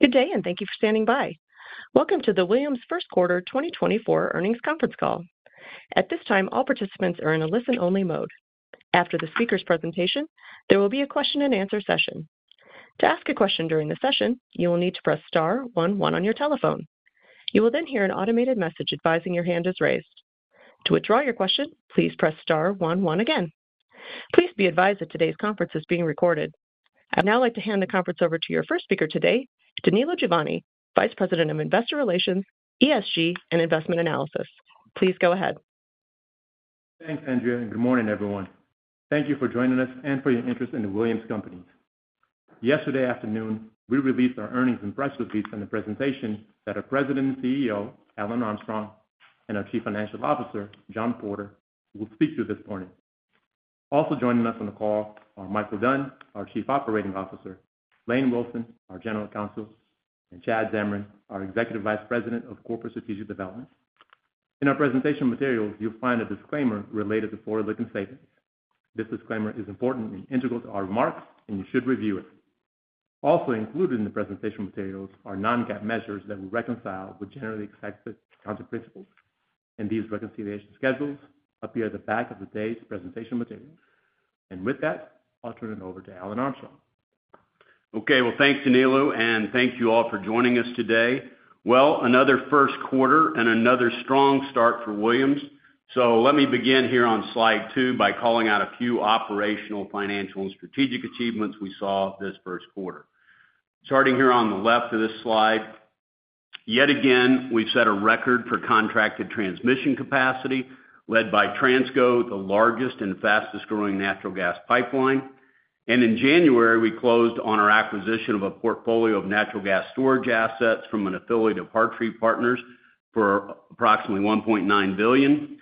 Good day, and thank you for standing by. Welcome to the Williams First Quarter 2024 Earnings Conference Call. At this time, all participants are in a listen-only mode. After the speaker's presentation, there will be a question-and-answer session. To ask a question during the session, you will need to press star one one on your telephone. You will then hear an automated message advising your hand is raised. To withdraw your question, please press star one one again. Please be advised that today's conference is being recorded. I'd now like to hand the conference over to your first speaker today, Danilo Juvane, Vice President of Investor Relations, ESG, and Investment Analysis. Please go ahead. Thanks, Andrea, and good morning, everyone. Thank you for joining us and for your interest in The Williams Companies. Yesterday afternoon, we released our earnings and press release from the presentation that our President and CEO, Alan Armstrong, and our Chief Financial Officer, John Porter, will speak to this morning. Also joining us on the call are Micheal Dunn, our Chief Operating Officer, Lane Wilson, our General Counsel, and Chad Zamarin, our Executive Vice President of Corporate Strategic Development. In our presentation materials, you'll find a disclaimer related to forward-looking statements. This disclaimer is important and integral to our remarks, and you should review it. Also included in the presentation materials are non-GAAP measures that we reconcile with generally accepted accounting principles, and these reconciliation schedules appear at the back of today's presentation materials. With that, I'll turn it over to Alan Armstrong. Okay. Well, thanks, Danilo, and thank you all for joining us today. Well, another first quarter and another strong start for Williams. So let me begin here on slide two by calling out a few operational, financial, and strategic achievements we saw this first quarter. Starting here on the left of this slide, yet again, we've set a record for contracted transmission capacity, led by Transco, the largest and fastest-growing natural gas pipeline. And in January, we closed on our acquisition of a portfolio of natural gas storage assets from an affiliate of Hartree Partners for approximately $1.9 billion.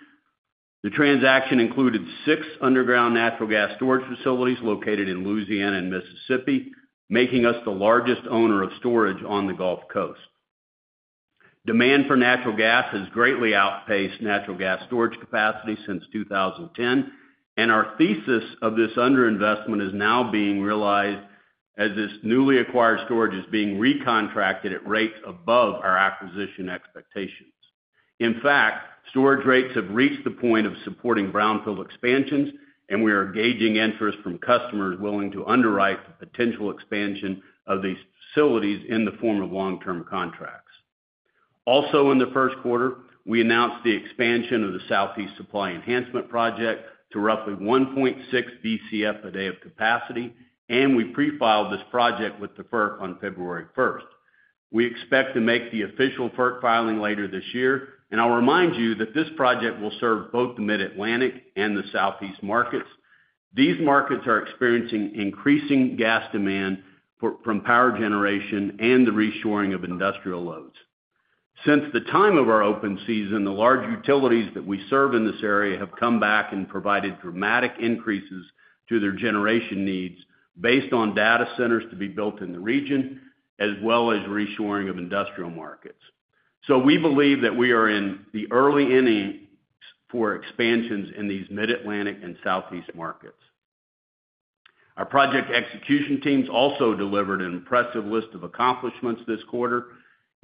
The transaction included six underground natural gas storage facilities located in Louisiana and Mississippi, making us the largest owner of storage on the Gulf Coast. Demand for natural gas has greatly outpaced natural gas storage capacity since 2010, and our thesis of this underinvestment is now being realized as this newly acquired storage is being recontracted at rates above our acquisition expectations. In fact, storage rates have reached the point of supporting brownfield expansions, and we are gauging interest from customers willing to underwrite the potential expansion of these facilities in the form of long-term contracts. Also, in the first quarter, we announced the expansion of the Southeast Supply Enhancement Project to roughly 1.6 BCF a day of capacity, and we pre-filed this project with the FERC on February 1st. We expect to make the official FERC filing later this year, and I'll remind you that this project will serve both the Mid-Atlantic and the Southeast markets. These markets are experiencing increasing gas demand from power generation and the reshoring of industrial loads. Since the time of our open season, the large utilities that we serve in this area have come back and provided dramatic increases to their generation needs based on data centers to be built in the region, as well as reshoring of industrial markets. We believe that we are in the early innings for expansions in these Mid-Atlantic and Southeast markets. Our project execution teams also delivered an impressive list of accomplishments this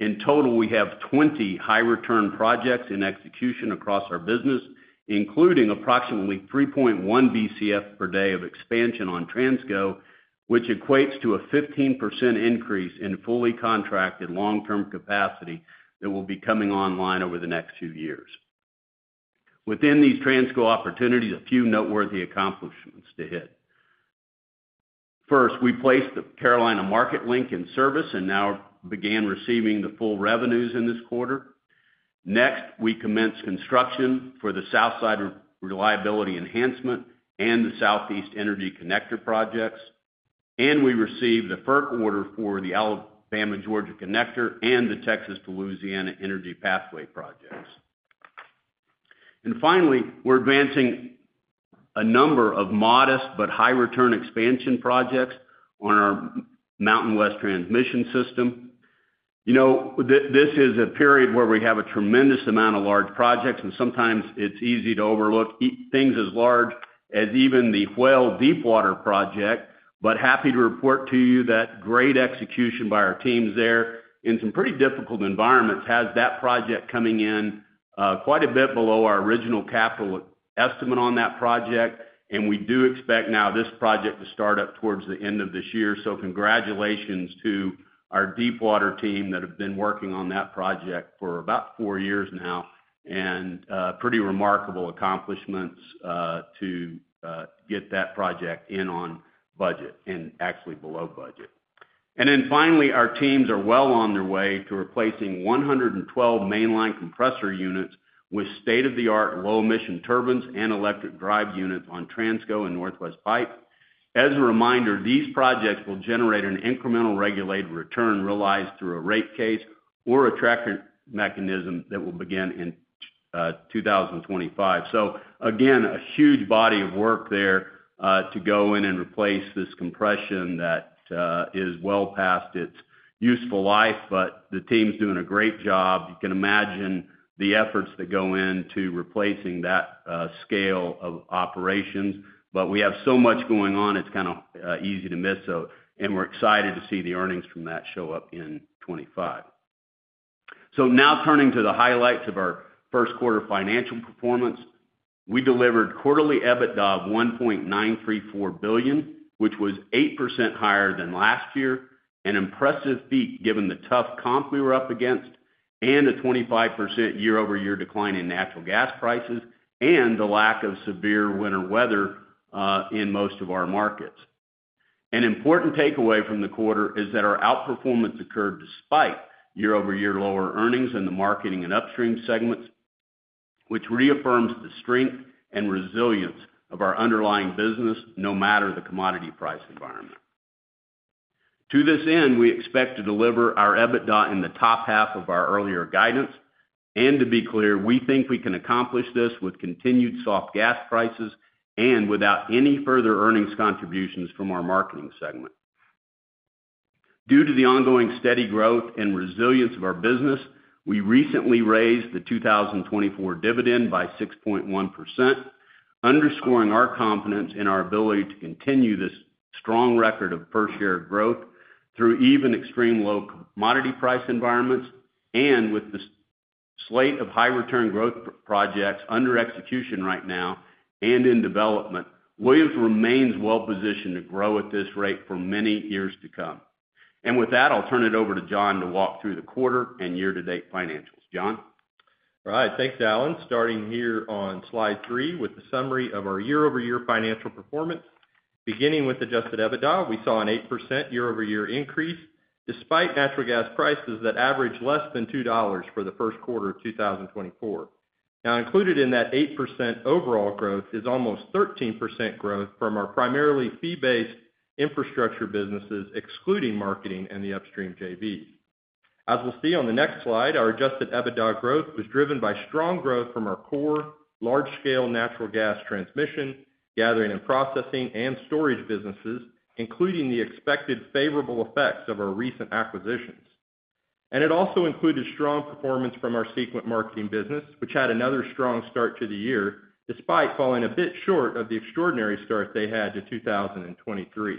quarter. In total, we have 20 high-return projects in execution across our business, including approximately 3.1 BCF per day of expansion on Transco, which equates to a 15% increase in fully contracted long-term capacity that will be coming online over the next few years. Within these Transco opportunities, a few noteworthy accomplishments to hit. First, we placed the Carolina Market Link in service and now began receiving the full revenues in this quarter. Next, we commenced construction for the Southside Reliability Enhancement and the Southeast Energy Connector projects, and we received the FERC order for the Alabama-Georgia Connector and the Texas to Louisiana Energy Pathway projects. Finally, we're advancing a number of modest but high-return expansion projects on our Mountain West transmission system. You know, this is a period where we have a tremendous amount of large projects, and sometimes it's easy to overlook things as large as even the Whale deepwater project, but happy to report to you that great execution by our teams there in some pretty difficult environments has that project coming in quite a bit below our original capital estimate on that project, and we do expect now this project to start up towards the end of this year. So congratulations to our deepwater team that have been working on that project for about four years now, and pretty remarkable accomplishments to get that project in on budget and actually below budget. And then finally, our teams are well on their way to replacing 112 mainline compressor units with state-of-the-art, low-emission turbines and electric drive units on Transco and Northwest Pipeline. As a reminder, these projects will generate an incremental regulated return realized through a rate case or a tracker mechanism that will begin in 2025. So again, a huge body of work there to go in and replace this compression that is well past its useful life, but the team's doing a great job. You can imagine the efforts that go in to replacing that scale of operations, but we have so much going on, it's kind of easy to miss, so— And we're excited to see the earnings from that show up in 2025. So now turning to the highlights of our first quarter financial performance. We delivered quarterly EBITDA of $1.934 billion, which was 8% higher than last year, an impressive feat given the tough comp we were up against and a 25% year-over-year decline in natural gas prices and the lack of severe winter weather in most of our markets. An important takeaway from the quarter is that our outperformance occurred despite year-over-year lower earnings in the marketing and upstream segments, which reaffirms the strength and resilience of our underlying business, no matter the commodity price environment. To this end, we expect to deliver our EBITDA in the top half of our earlier guidance. To be clear, we think we can accomplish this with continued soft gas prices and without any further earnings contributions from our marketing segment. Due to the ongoing steady growth and resilience of our business, we recently raised the 2024 dividend by 6.1%, underscoring our confidence in our ability to continue this strong record of per share growth through even extreme low commodity price environments. And with the slate of high return growth projects under execution right now and in development, Williams remains well positioned to grow at this rate for many years to come. And with that, I'll turn it over to John to walk through the quarter and year-to-date financials. John? All right. Thanks, Alan. Starting here on slide three, with a summary of our year-over-year financial performance. Beginning with adjusted EBITDA, we saw an 8% year-over-year increase, despite natural gas prices that averaged less than $2 for the first quarter of 2024. Now, included in that 8% overall growth is almost 13% growth from our primarily fee-based infrastructure businesses, excluding marketing and the upstream JVs. As we'll see on the next slide, our adjusted EBITDA growth was driven by strong growth from our core, large-scale natural gas transmission, gathering and processing, and storage businesses, including the expected favorable effects of our recent acquisitions. It also included strong performance from our Sequent Marketing business, which had another strong start to the year, despite falling a bit short of the extraordinary start they had to 2023.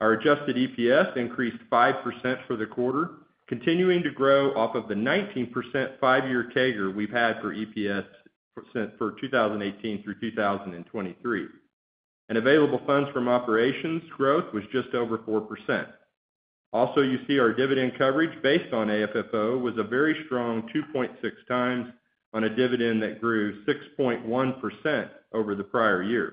Our adjusted EPS increased 5% for the quarter, continuing to grow off of the 19% five-year CAGR we've had for EPS for 2018 through 2023. Available funds from operations growth was just over 4%. You see our dividend coverage based on AFFO was a very strong 2.6x on a dividend that grew 6.1% over the prior year.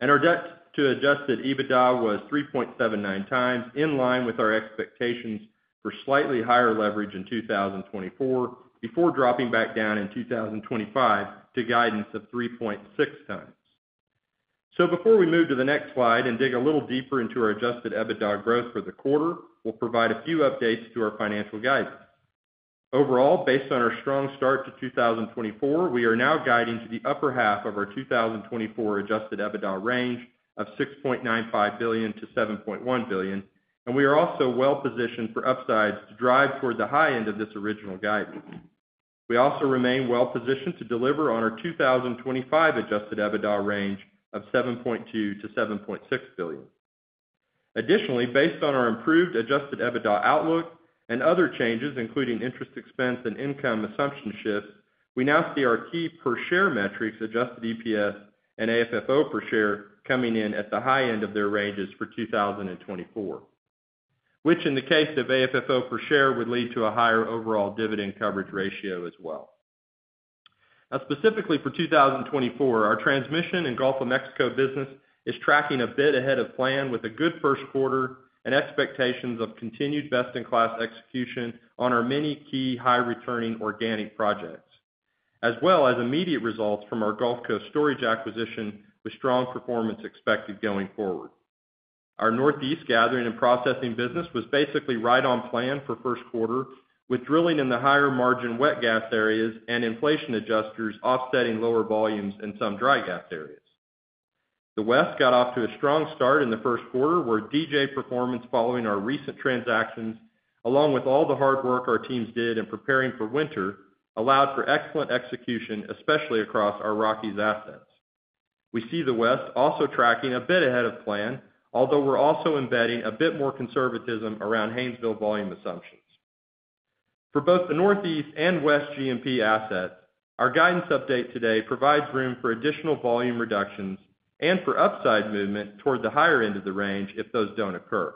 Our debt to Adjusted EBITDA was 3.79x, in line with our expectations for slightly higher leverage in 2024, before dropping back down in 2025 to guidance of 3.6x. Before we move to the next slide and dig a little deeper into our Adjusted EBITDA growth for the quarter, we'll provide a few updates to our financial guidance. Overall, based on our strong start to 2024, we are now guiding to the upper half of our 2024 adjusted EBITDA range of $6.95 billion-$7.1 billion, and we are also well positioned for upsides to drive towards the high end of this original guidance. We also remain well positioned to deliver on our 2025 adjusted EBITDA range of $7.2 billion-$7.6 billion. Additionally, based on our improved adjusted EBITDA outlook and other changes, including interest expense and income assumption shifts, we now see our key per share metrics, adjusted EPS and AFFO per share, coming in at the high end of their ranges for 2024, which in the case of AFFO per share, would lead to a higher overall dividend coverage ratio as well. Now, specifically for 2024, our Transmission & Gulf of Mexico business is tracking a bit ahead of plan, with a good first quarter and expectations of continued best-in-class execution on our many key high-returning organic projects, as well as immediate results from our Gulf Coast storage acquisition, with strong performance expected going forward. Our Northeast gathering and processing business was basically right on plan for first quarter, with drilling in the higher margin wet gas areas and inflation adjusters offsetting lower volumes in some dry gas areas. The West got off to a strong start in the first quarter, where DJ performance, following our recent transactions, along with all the hard work our teams did in preparing for winter, allowed for excellent execution, especially across our Rockies assets. We see the West also tracking a bit ahead of plan, although we're also embedding a bit more conservatism around Haynesville volume assumptions. For both the Northeast and West GMP assets, our guidance update today provides room for additional volume reductions and for upside movement toward the higher end of the range if those don't occur.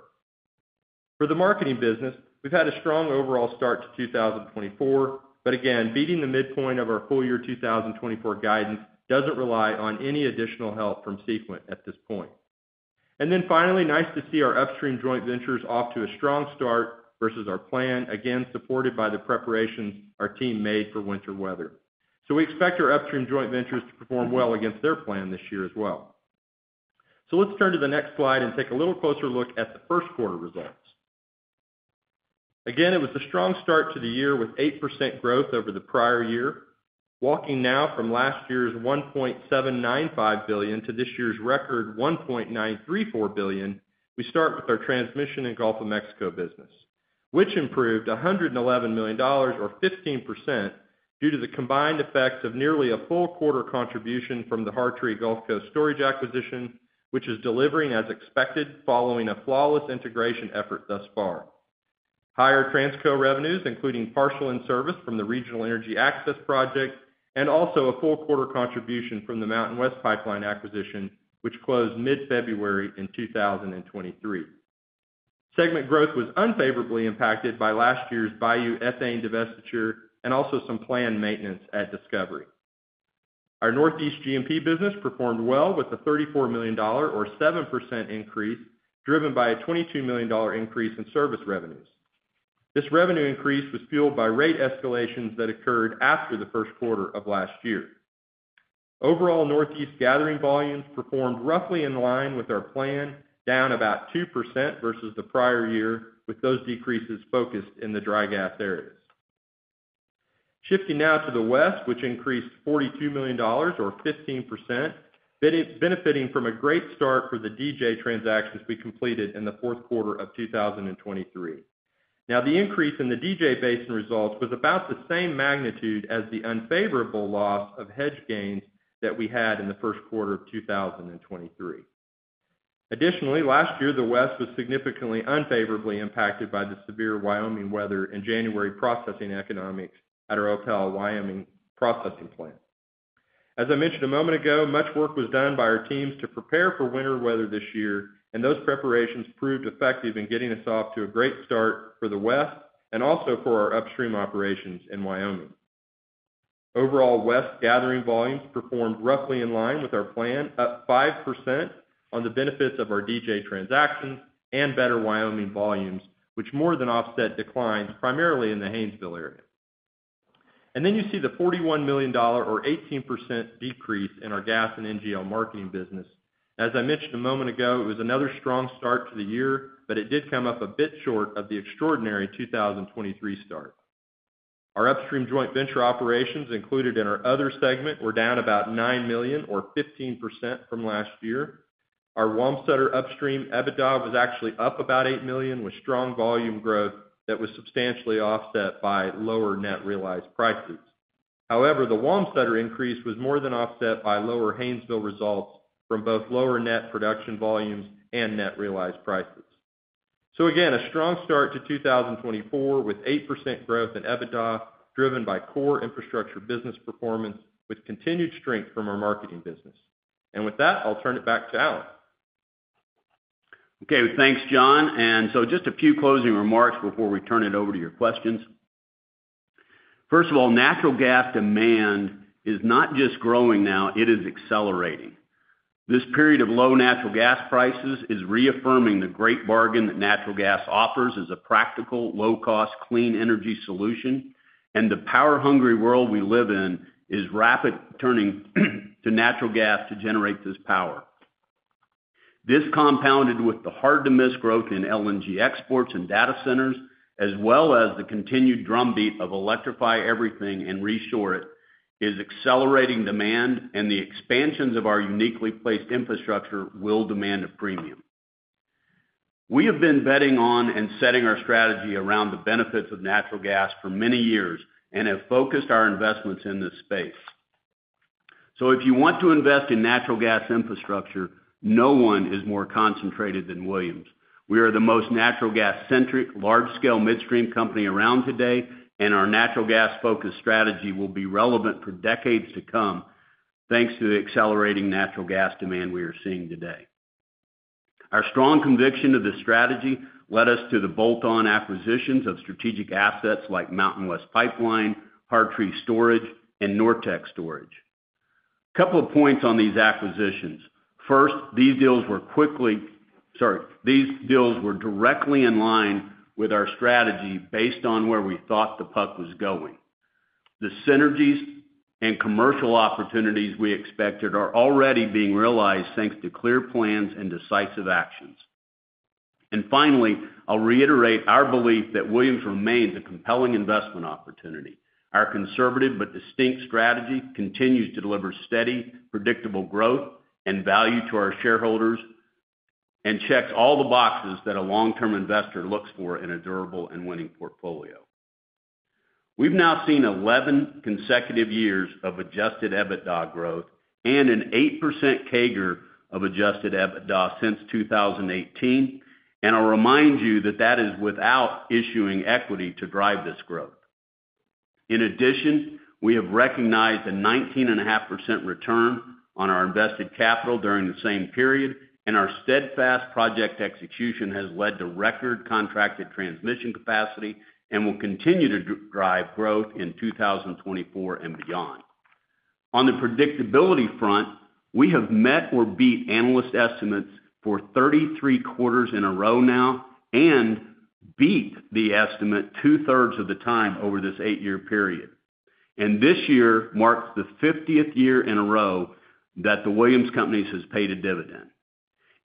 For the marketing business, we've had a strong overall start to 2024, but again, beating the midpoint of our full year 2024 guidance doesn't rely on any additional help from Sequent at this point. And then finally, nice to see our upstream joint ventures off to a strong start versus our plan, again, supported by the preparations our team made for winter weather. So we expect our upstream joint ventures to perform well against their plan this year as well. So let's turn to the next slide and take a little closer look at the first quarter results. Again, it was a strong start to the year with 8% growth over the prior year. Walking now from last year's $1.795 billion to this year's record $1.934 billion, we start with our Transmission & Gulf of Mexico business, which improved $111 million or 15% due to the combined effects of nearly a full quarter contribution from the Hartree Gulf Coast Storage acquisition, which is delivering as expected, following a flawless integration effort thus far. Higher Transco revenues, including partial in-service from the Regional Energy Access Project, and also a full quarter contribution from the Mountain West Pipeline acquisition, which closed mid-February in 2023. Segment growth was unfavorably impacted by last year's Bayou Ethane divestiture, and also some planned maintenance at Discovery. Our Northeast G&P business performed well with a $34 million or 7% increase, driven by a $22 million increase in service revenues. This revenue increase was fueled by rate escalations that occurred after the first quarter of last year. Overall, Northeast gathering volumes performed roughly in line with our plan, down about 2% versus the prior year, with those decreases focused in the dry gas areas. Shifting now to the West, which increased $42 million or 15%, benefiting from a great start for the DJ transactions we completed in the fourth quarter of 2023. Now, the increase in the DJ Basin results was about the same magnitude as the unfavorable loss of hedge gains that we had in the first quarter of 2023. Additionally, last year, the West was significantly unfavorably impacted by the severe Wyoming weather in January, processing economics at our Opal Wyoming processing plant. As I mentioned a moment ago, much work was done by our teams to prepare for winter weather this year, and those preparations proved effective in getting us off to a great start for the West and also for our upstream operations in Wyoming. Overall, West gathering volumes performed roughly in line with our plan, up 5% on the benefits of our DJ transactions and better Wyoming volumes, which more than offset declines, primarily in the Haynesville area. Then you see the $41 million or 18% decrease in our gas and NGL marketing business. As I mentioned a moment ago, it was another strong start to the year, but it did come up a bit short of the extraordinary 2023 start. Our upstream joint venture operations, included in our other segment, were down about $9 million or 15% from last year. Our Wamsutter Upstream EBITDA was actually up about $8 million, with strong volume growth that was substantially offset by lower net realized prices. However, the Wamsutter increase was more than offset by lower Haynesville results from both lower net production volumes and net realized prices. Again, a strong start to 2024, with 8% growth in EBITDA, driven by core infrastructure business performance, with continued strength from our marketing business. With that, I'll turn it back to Alan. Okay, thanks, John. So just a few closing remarks before we turn it over to your questions. First of all, natural gas demand is not just growing now, it is accelerating. This period of low natural gas prices is reaffirming the great bargain that natural gas offers as a practical, low-cost, clean energy solution. And the power-hungry world we live in is rapidly turning to natural gas to generate this power. This, compounded with the hard-to-miss growth in LNG exports and data centers, as well as the continued drumbeat of electrify everything and reshore it, is accelerating demand, and the expansions of our uniquely placed infrastructure will demand a premium. We have been betting on and setting our strategy around the benefits of natural gas for many years and have focused our investments in this space. So if you want to invest in natural gas infrastructure, no one is more concentrated than Williams. We are the most natural gas-centric, large-scale midstream company around today, and our natural gas-focused strategy will be relevant for decades to come, thanks to the accelerating natural gas demand we are seeing today. Our strong conviction to this strategy led us to the bolt-on acquisitions of strategic assets like Mountain West Pipeline, Hartree Storage, and NorTex Storage. A couple of points on these acquisitions. First, these deals were quickly... Sorry. These deals were directly in line with our strategy, based on where we thought the puck was going. The synergies and commercial opportunities we expected are already being realized thanks to clear plans and decisive actions. And finally, I'll reiterate our belief that Williams remains a compelling investment opportunity. Our conservative but distinct strategy continues to deliver steady, predictable growth and value to our shareholders, and checks all the boxes that a long-term investor looks for in a durable and winning portfolio. We've now seen 11 consecutive years of adjusted EBITDA growth and an 8% CAGR of adjusted EBITDA since 2018. And I'll remind you that that is without issuing equity to drive this growth. In addition, we have recognized a 19.5% return on our invested capital during the same period, and our steadfast project execution has led to record contracted transmission capacity and will continue to drive growth in 2024 and beyond. On the predictability front, we have met or beat analyst estimates for 33 quarters in a row now, and beat the estimate 2/3 of the time over this 8-year period. This year marks the fiftieth year in a row that the Williams Companies has paid a dividend.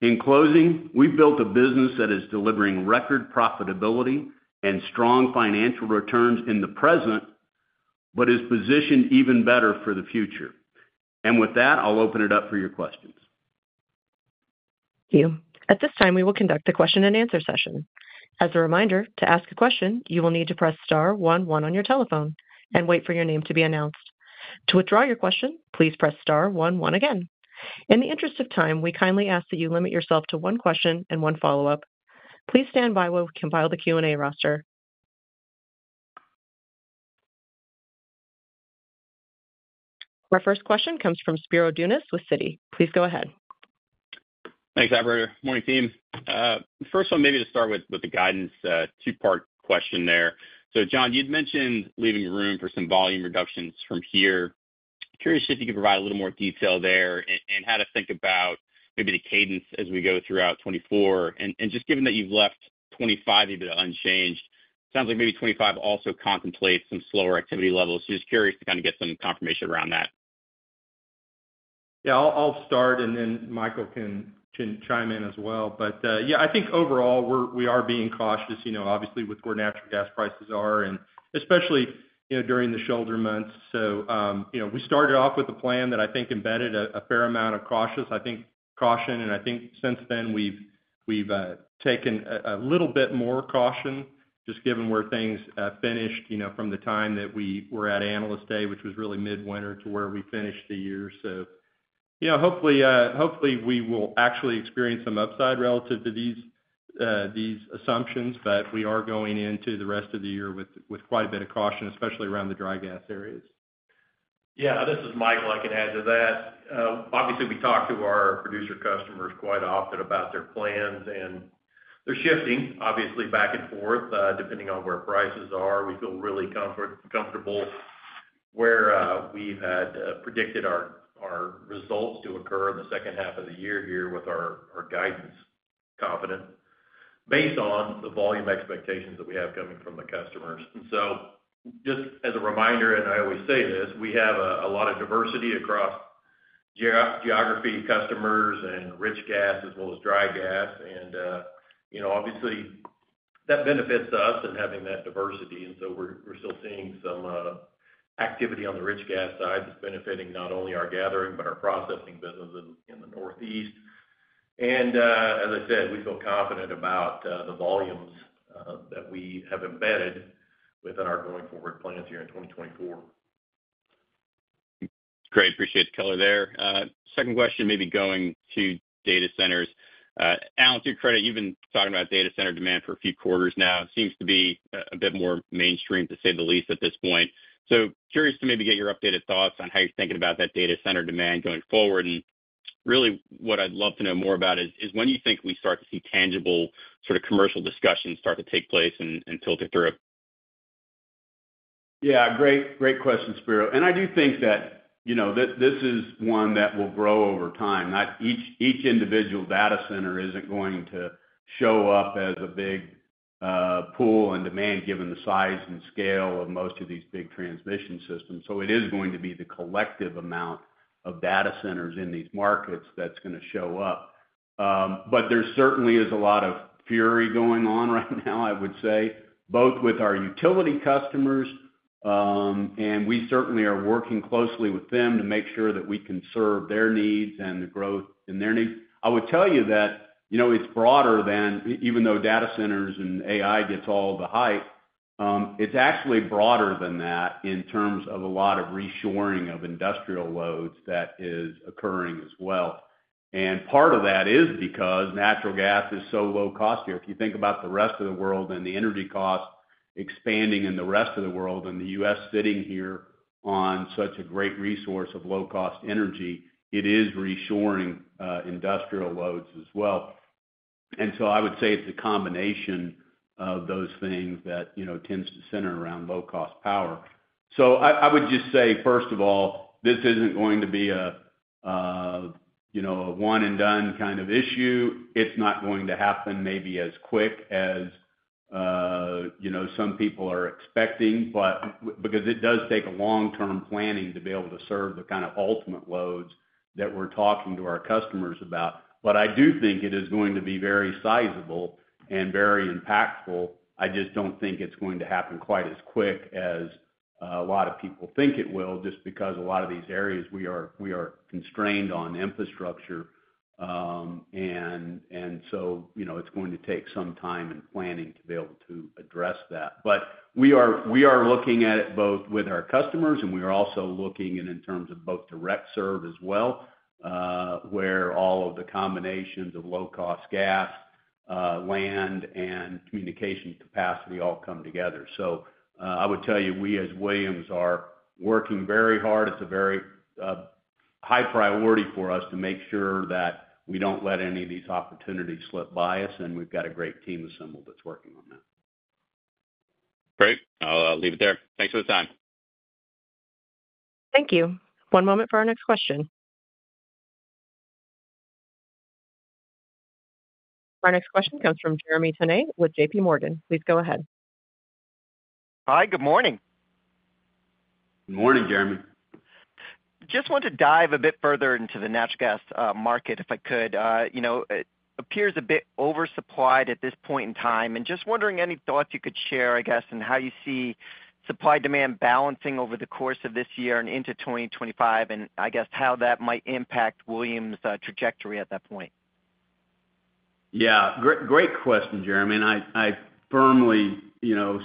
In closing, we've built a business that is delivering record profitability and strong financial returns in the present, but is positioned even better for the future. With that, I'll open it up for your questions.... Thank you. At this time, we will conduct a question and answer session. As a reminder, to ask a question, you will need to press star one one on your telephone and wait for your name to be announced. To withdraw your question, please press star one one again. In the interest of time, we kindly ask that you limit yourself to one question and one follow-up. Please stand by while we compile the Q&A roster. Our first question comes from Spiro Dounis with Citi. Please go ahead. Thanks, operator. Morning, team. First one, maybe to start with, with the guidance, two-part question there. So John, you'd mentioned leaving room for some volume reductions from here. Curious if you could provide a little more detail there and, and how to think about maybe the cadence as we go throughout 2024. And, and just given that you've left 2025 a bit unchanged, sounds like maybe 2025 also contemplates some slower activity levels. Just curious to kind of get some confirmation around that. Yeah, I'll start, and then Micheal can chime in as well. But, yeah, I think overall, we are being cautious, you know, obviously, with where natural gas prices are, and especially, you know, during the shoulder months. So, you know, we started off with a plan that I think embedded a fair amount of caution, and I think since then, we've taken a little bit more caution, just given where things finished, you know, from the time that we were at Analyst Day, which was really midwinter, to where we finished the year. So, you know, hopefully, we will actually experience some upside relative to these assumptions, but we are going into the rest of the year with quite a bit of caution, especially around the dry gas areas. Yeah, this is Micheal. I can add to that. Obviously, we talk to our producer customers quite often about their plans, and they're shifting, obviously, back and forth, depending on where prices are. We feel really comfortable where we've had predicted our results to occur in the second half of the year here with our guidance confidence, based on the volume expectations that we have coming from the customers. And so just as a reminder, and I always say this, we have a lot of diversity across geography, customers, and rich gas as well as dry gas. And, you know, obviously, that benefits us in having that diversity, and so we're still seeing some activity on the rich gas side that's benefiting not only our gathering, but our processing business in the Northeast. As I said, we feel confident about the volumes that we have embedded within our going forward plans here in 2024. Great. Appreciate the color there. Second question, maybe going to data centers. Alan, to your credit, you've been talking about data center demand for a few quarters now. Seems to be a bit more mainstream, to say the least, at this point. So curious to maybe get your updated thoughts on how you're thinking about that data center demand going forward. And really, what I'd love to know more about is when you think we start to see tangible, sort of commercial discussions start to take place and filter through? Yeah, great, great question, Spiro. And I do think that, you know, this, this is one that will grow over time. Not each, each individual data center isn't going to show up as a big pool of demand, given the size and scale of most of these big transmission systems. So it is going to be the collective amount of data centers in these markets that's going to show up. But there certainly is a lot of fury going on right now, I would say, both with our utility customers, and we certainly are working closely with them to make sure that we can serve their needs and the growth in their needs. I would tell you that, you know, it's broader than—even though data centers and AI gets all the hype, it's actually broader than that in terms of a lot of reshoring of industrial loads that is occurring as well. And part of that is because natural gas is so low cost here. If you think about the rest of the world and the energy costs expanding in the rest of the world, and the U.S. sitting here on such a great resource of low-cost energy, it is reshoring industrial loads as well. And so I would say it's a combination of those things that, you know, tends to center around low-cost power. So I, I would just say, first of all, this isn't going to be a, you know, a one-and-done kind of issue. It's not going to happen maybe as quick as, you know, some people are expecting, but because it does take a long-term planning to be able to serve the kind of ultimate loads that we're talking to our customers about. But I do think it is going to be very sizable and very impactful. I just don't think it's going to happen quite as quick as a lot of people think it will, just because a lot of these areas we are constrained on infrastructure. And so, you know, it's going to take some time and planning to be able to address that. But we are, we are looking at it both with our customers, and we are also looking and in terms of both direct serve as well, where all of the combinations of low-cost gas, land, and communication capacity all come together. So, I would tell you, we, as Williams, are working very hard. It's a very, high priority for us to make sure that we don't let any of these opportunities slip by us, and we've got a great team assembled that's working on that. Great. I'll leave it there. Thanks for the time. Thank you. One moment for our next question. Our next question comes from Jeremy Tonet with J.P. Morgan. Please go ahead. Hi, good morning. Good morning, Jeremy. Just want to dive a bit further into the natural gas market, if I could. You know, it appears a bit oversupplied at this point in time, and just wondering, any thoughts you could share, I guess, on how you see supply/demand balancing over the course of this year and into 2025, and I guess how that might impact Williams' trajectory at that point?... Yeah, great, great question, Jeremy, and I, I firmly, you know,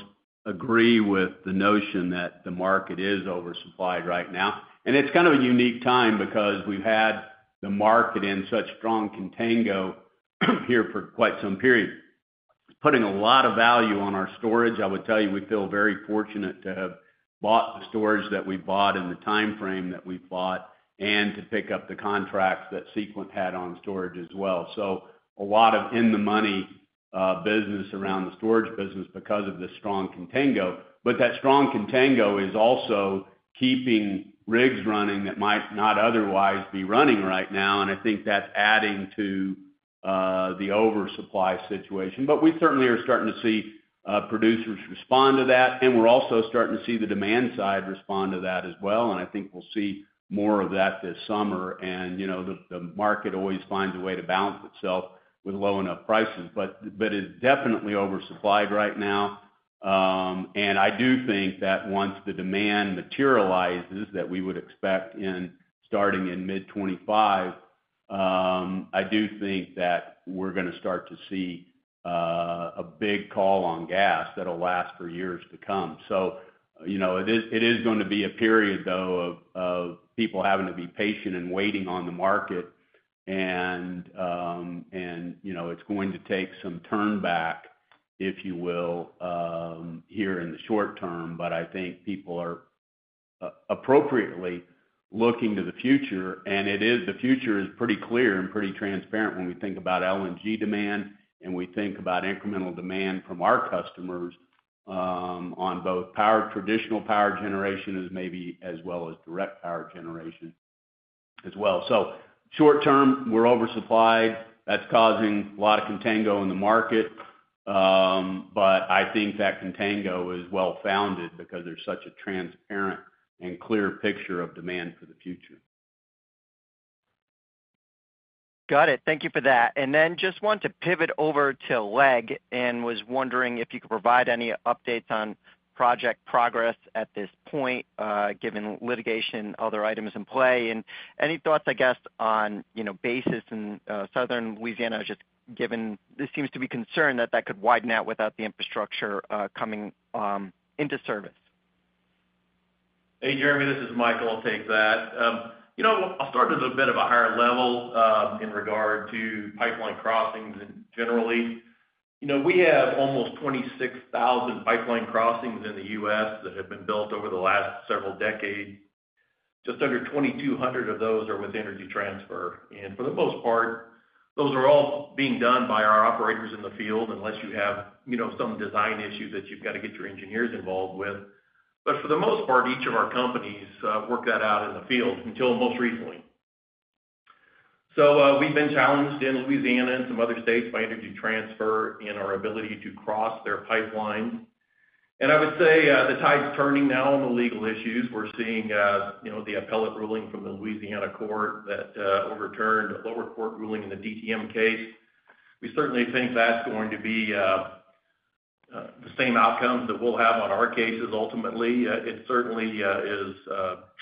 agree with the notion that the market is oversupplied right now. And it's kind of a unique time because we've had the market in such strong contango here for quite some period. It's putting a lot of value on our storage. I would tell you, we feel very fortunate to have bought the storage that we bought in the timeframe that we bought and to pick up the contracts that Sequent had on storage as well. So a lot of in-the-money business around the storage business because of the strong contango. But that strong contango is also keeping rigs running that might not otherwise be running right now, and I think that's adding to the oversupply situation. But we certainly are starting to see producers respond to that, and we're also starting to see the demand side respond to that as well, and I think we'll see more of that this summer. And, you know, the market always finds a way to balance itself with low enough prices, but it's definitely oversupplied right now. And I do think that once the demand materializes, that we would expect starting in mid-2025, I do think that we're going to start to see a big call on gas that'll last for years to come. So, you know, it is going to be a period, though, of people having to be patient and waiting on the market. And, you know, it's going to take some turn back, if you will, here in the short term. But I think people are appropriately looking to the future, and it is the future is pretty clear and pretty transparent when we think about LNG demand, and we think about incremental demand from our customers, on both traditional power generation as maybe as well as direct power generation as well. So short term, we're oversupplied. That's causing a lot of contango in the market. But I think that contango is well founded because there's such a transparent and clear picture of demand for the future. Got it. Thank you for that. And then just want to pivot over to LEG and was wondering if you could provide any updates on project progress at this point, given litigation, other items in play, and any thoughts, I guess, on, you know, basis in Southern Louisiana, just given this seems to be concerned that that could widen out without the infrastructure coming into service. Hey, Jeremy, this is Micheal. I'll take that. You know, I'll start at a bit of a higher level, in regard to pipeline crossings generally. You know, we have almost 26,000 pipeline crossings in the U.S. that have been built over the last several decades. Just under 2,200 of those are with Energy Transfer, and for the most part, those are all being done by our operators in the field, unless you have, you know, some design issue that you've got to get your engineers involved with. But for the most part, each of our companies work that out in the field, until most recently. So, we've been challenged in Louisiana and some other states by Energy Transfer in our ability to cross their pipeline. And I would say, the tide's turning now on the legal issues. We're seeing, you know, the appellate ruling from the Louisiana court that overturned a lower court ruling in the DTM case. We certainly think that's going to be the same outcome that we'll have on our cases ultimately. It certainly is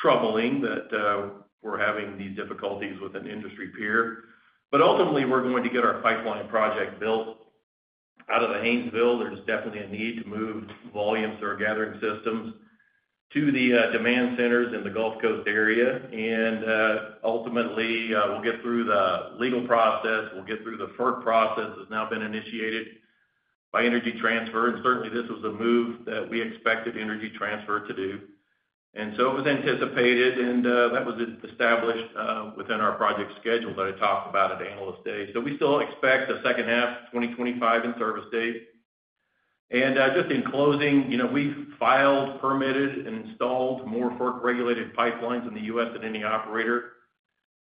troubling that we're having these difficulties with an industry peer. But ultimately, we're going to get our pipeline project built out of the Haynesville. There's definitely a need to move volumes through our gathering systems to the demand centers in the Gulf Coast area. And ultimately, we'll get through the legal process. We'll get through the FERC process, that's now been initiated by Energy Transfer, and certainly, this was a move that we expected Energy Transfer to do. And so it was anticipated, and, that was established, within our project schedule that I talked about at Analyst Day. So we still expect a second half of 2025 in-service date. And, just in closing, you know, we've filed, permitted, and installed more FERC-regulated pipelines in the U.S. than any operator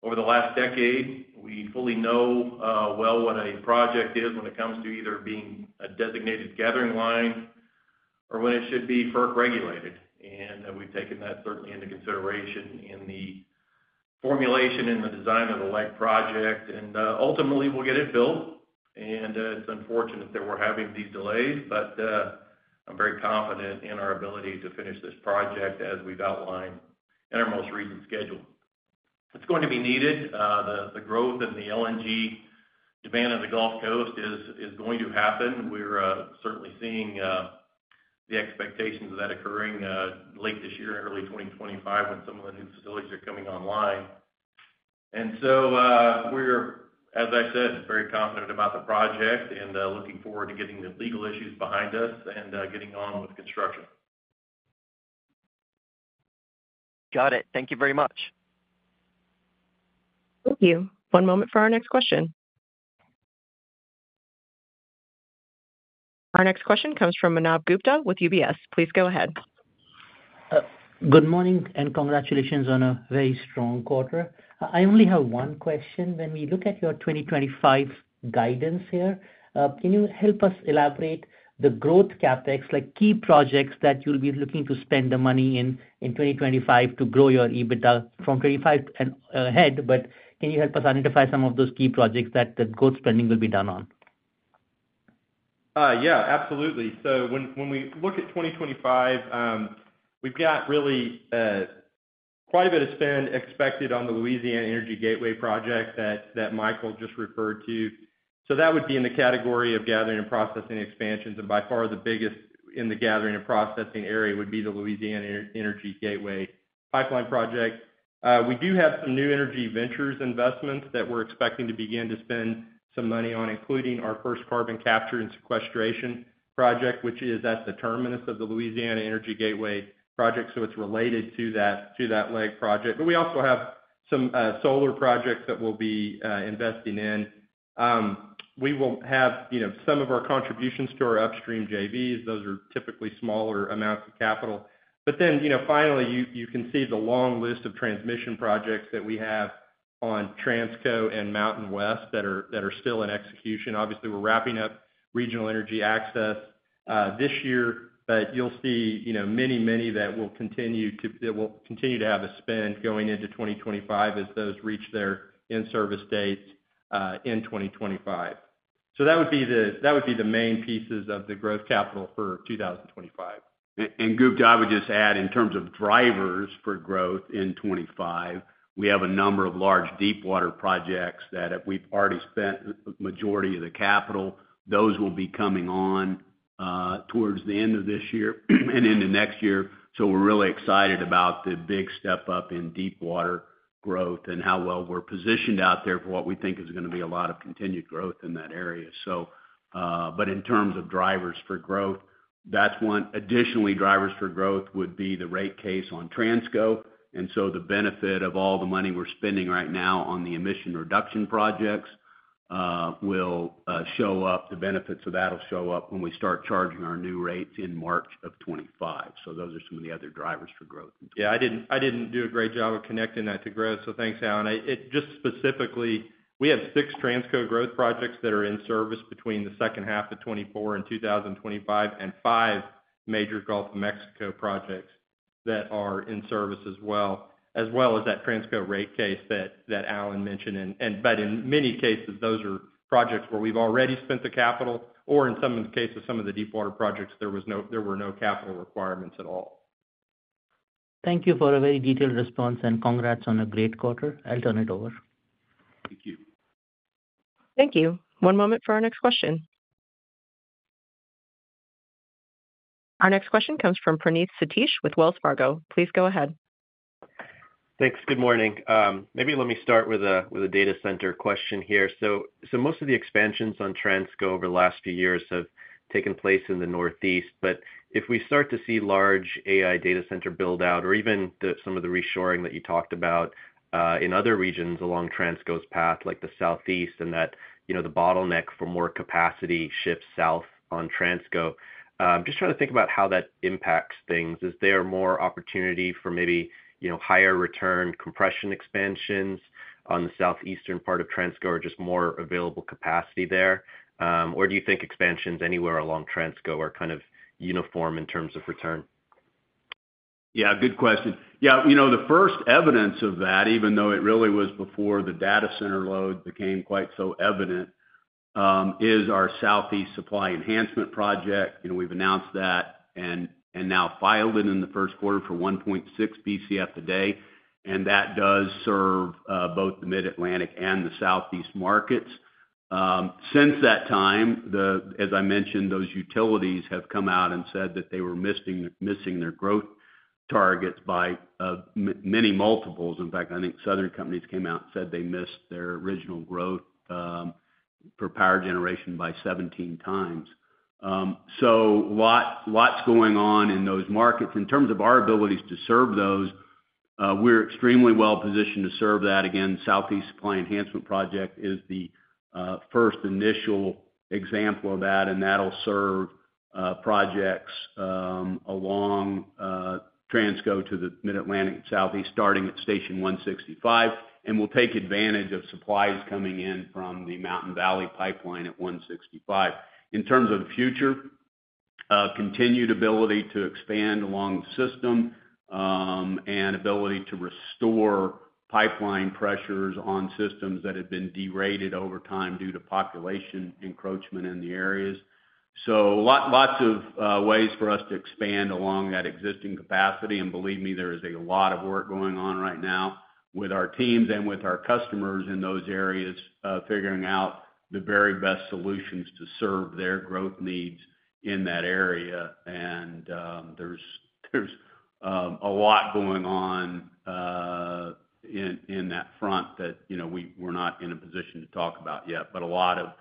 over the last decade. We fully know, well when a project is, when it comes to either being a designated gathering line or when it should be FERC-regulated. And, we've taken that certainly into consideration in the formulation and the design of the LEG project. And, ultimately, we'll get it built. And, it's unfortunate that we're having these delays, but, I'm very confident in our ability to finish this project as we've outlined in our most recent schedule. It's going to be needed. The growth in the LNG demand on the Gulf Coast is going to happen. We're certainly seeing the expectations of that occurring late this year, early 2025, when some of the new facilities are coming online. And so, we're, as I said, very confident about the project and looking forward to getting the legal issues behind us and getting on with construction. Got it. Thank you very much. Thank you. One moment for our next question. Our next question comes from Manav Gupta with UBS. Please go ahead. Good morning, and congratulations on a very strong quarter. I only have one question. When we look at your 2025 guidance here, can you help us elaborate the growth CapEx, like, key projects that you'll be looking to spend the money in, in 2025 to grow your EBITDA from 25 and ahead, but can you help us identify some of those key projects that the growth spending will be done on? ... Yeah, absolutely. So when we look at 2025, we've got really quite a bit of spend expected on the Louisiana Energy Gateway project that Micheal just referred to. So that would be in the category of gathering and processing expansions, and by far, the biggest in the gathering and processing area would be the Louisiana Energy Gateway pipeline project. We do have some new energy ventures investments that we're expecting to begin to spend some money on, including our first carbon capture and sequestration project, which is at the terminus of the Louisiana Energy Gateway project. So it's related to that, to that LEG project. But we also have some solar projects that we'll be investing in. We will have, you know, some of our contributions to our upstream JVs. Those are typically smaller amounts of capital. But then, you know, finally, you can see the long list of transmission projects that we have on Transco and Mountain West that are still in execution. Obviously, we're wrapping up Regional Energy Access this year, but you'll see, you know, many, many that will continue to have a spend going into 2025 as those reach their in-service dates in 2025. So that would be the main pieces of the growth capital for 2025. And, group, I would just add, in terms of drivers for growth in 2025, we have a number of large deepwater projects that we've already spent majority of the capital. Those will be coming on towards the end of this year and into next year. So we're really excited about the big step up in deepwater growth and how well we're positioned out there for what we think is going to be a lot of continued growth in that area. So, but in terms of drivers for growth, that's one. Additionally, drivers for growth would be the rate case on Transco, and so the benefit of all the money we're spending right now on the emission reduction projects will show up. The benefits of that'll show up when we start charging our new rates in March of 2025. So those are some of the other drivers for growth. Yeah, I didn't, I didn't do a great job of connecting that to growth, so thanks, Alan. Just specifically, we have six Transco growth projects that are in service between the second half of 2024 and 2025, and five major Gulf of Mexico projects that are in service as well, as well as that Transco rate case that, that Alan mentioned. But in many cases, those are projects where we've already spent the capital, or in some of the cases, some of the deepwater projects, there were no capital requirements at all. Thank you for a very detailed response, and congrats on a great quarter. I'll turn it over. Thank you. Thank you. One moment for our next question. Our next question comes from Praneeth Satish with Wells Fargo. Please go ahead. Thanks. Good morning. Maybe let me start with a data center question here. So most of the expansions on Transco over the last few years have taken place in the Northeast, but if we start to see large AI data center build out, or even some of the reshoring that you talked about in other regions along Transco's path, like the Southeast, and that, you know, the bottleneck for more capacity shifts south on Transco. Just trying to think about how that impacts things. Is there more opportunity for maybe, you know, higher return compression expansions on the southeastern part of Transco, or just more available capacity there? Or do you think expansions anywhere along Transco are kind of uniform in terms of return? Yeah, good question. Yeah, you know, the first evidence of that, even though it really was before the data center load became quite so evident, is our Southeast Supply Enhancement Project. You know, we've announced that and now filed it in the first quarter for 1.6 BCF today, and that does serve both the Mid-Atlantic and the Southeast markets. Since that time, as I mentioned, those utilities have come out and said that they were missing their growth targets by many multiples. In fact, I think Southern Company came out and said they missed their original growth for power generation by 17x. So lot's going on in those markets. In terms of our abilities to serve those, we're extremely well positioned to serve that. Again, Southeast Supply Enhancement Project is the first initial example of that, and that'll serve projects along Transco to the Mid-Atlantic and Southeast, starting at Station 165, and we'll take advantage of supplies coming in from the Mountain Valley Pipeline at 165. In terms of the future, continued ability to expand along the system, and ability to restore pipeline pressures on systems that have been derated over time due to population encroachment in the areas. So lots of ways for us to expand along that existing capacity, and believe me, there is a lot of work going on right now with our teams and with our customers in those areas, figuring out the very best solutions to serve their growth needs in that area. There's a lot going on in that front that, you know, we're not in a position to talk about yet, but a lot of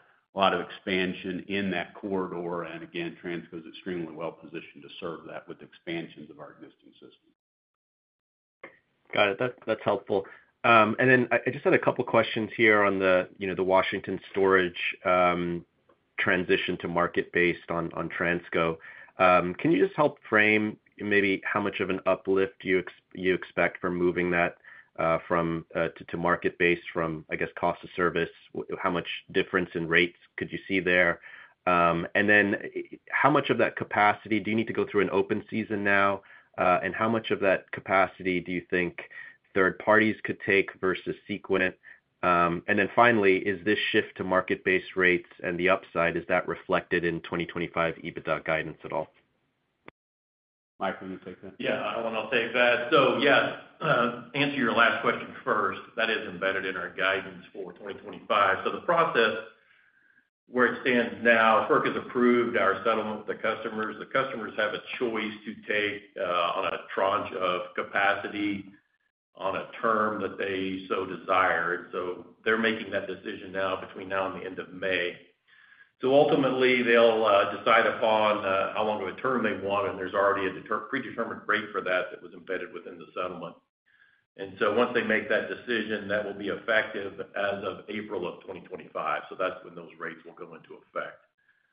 expansion in that corridor, and again, Transco is extremely well positioned to serve that with expansions of our existing system. Got it. That's helpful. And then I just had a couple of questions here on the, you know, the Washington Storage transition to market based on Transco. Can you just help frame maybe how much of an uplift you expect from moving that from to market base from, I guess, cost of service? How much difference in rates could you see there? And then how much of that capacity do you need to go through an open season now, and how much of that capacity do you think... third parties could take versus Sequent? And then finally, is this shift to market-based rates and the upside, is that reflected in 2025 EBITDA guidance at all? Mike, can you take that? Yeah, I want to take that. So yes, answer your last question first. That is embedded in our guidance for 2025. So the process, where it stands now, FERC has approved our settlement with the customers. The customers have a choice to take on a tranche of capacity on a term that they so desire. So they're making that decision now between now and the end of May. So ultimately, they'll decide upon how long of a term they want, and there's already a predetermined rate for that that was embedded within the settlement. And so once they make that decision, that will be effective as of April of 2025. So that's when those rates will go into effect.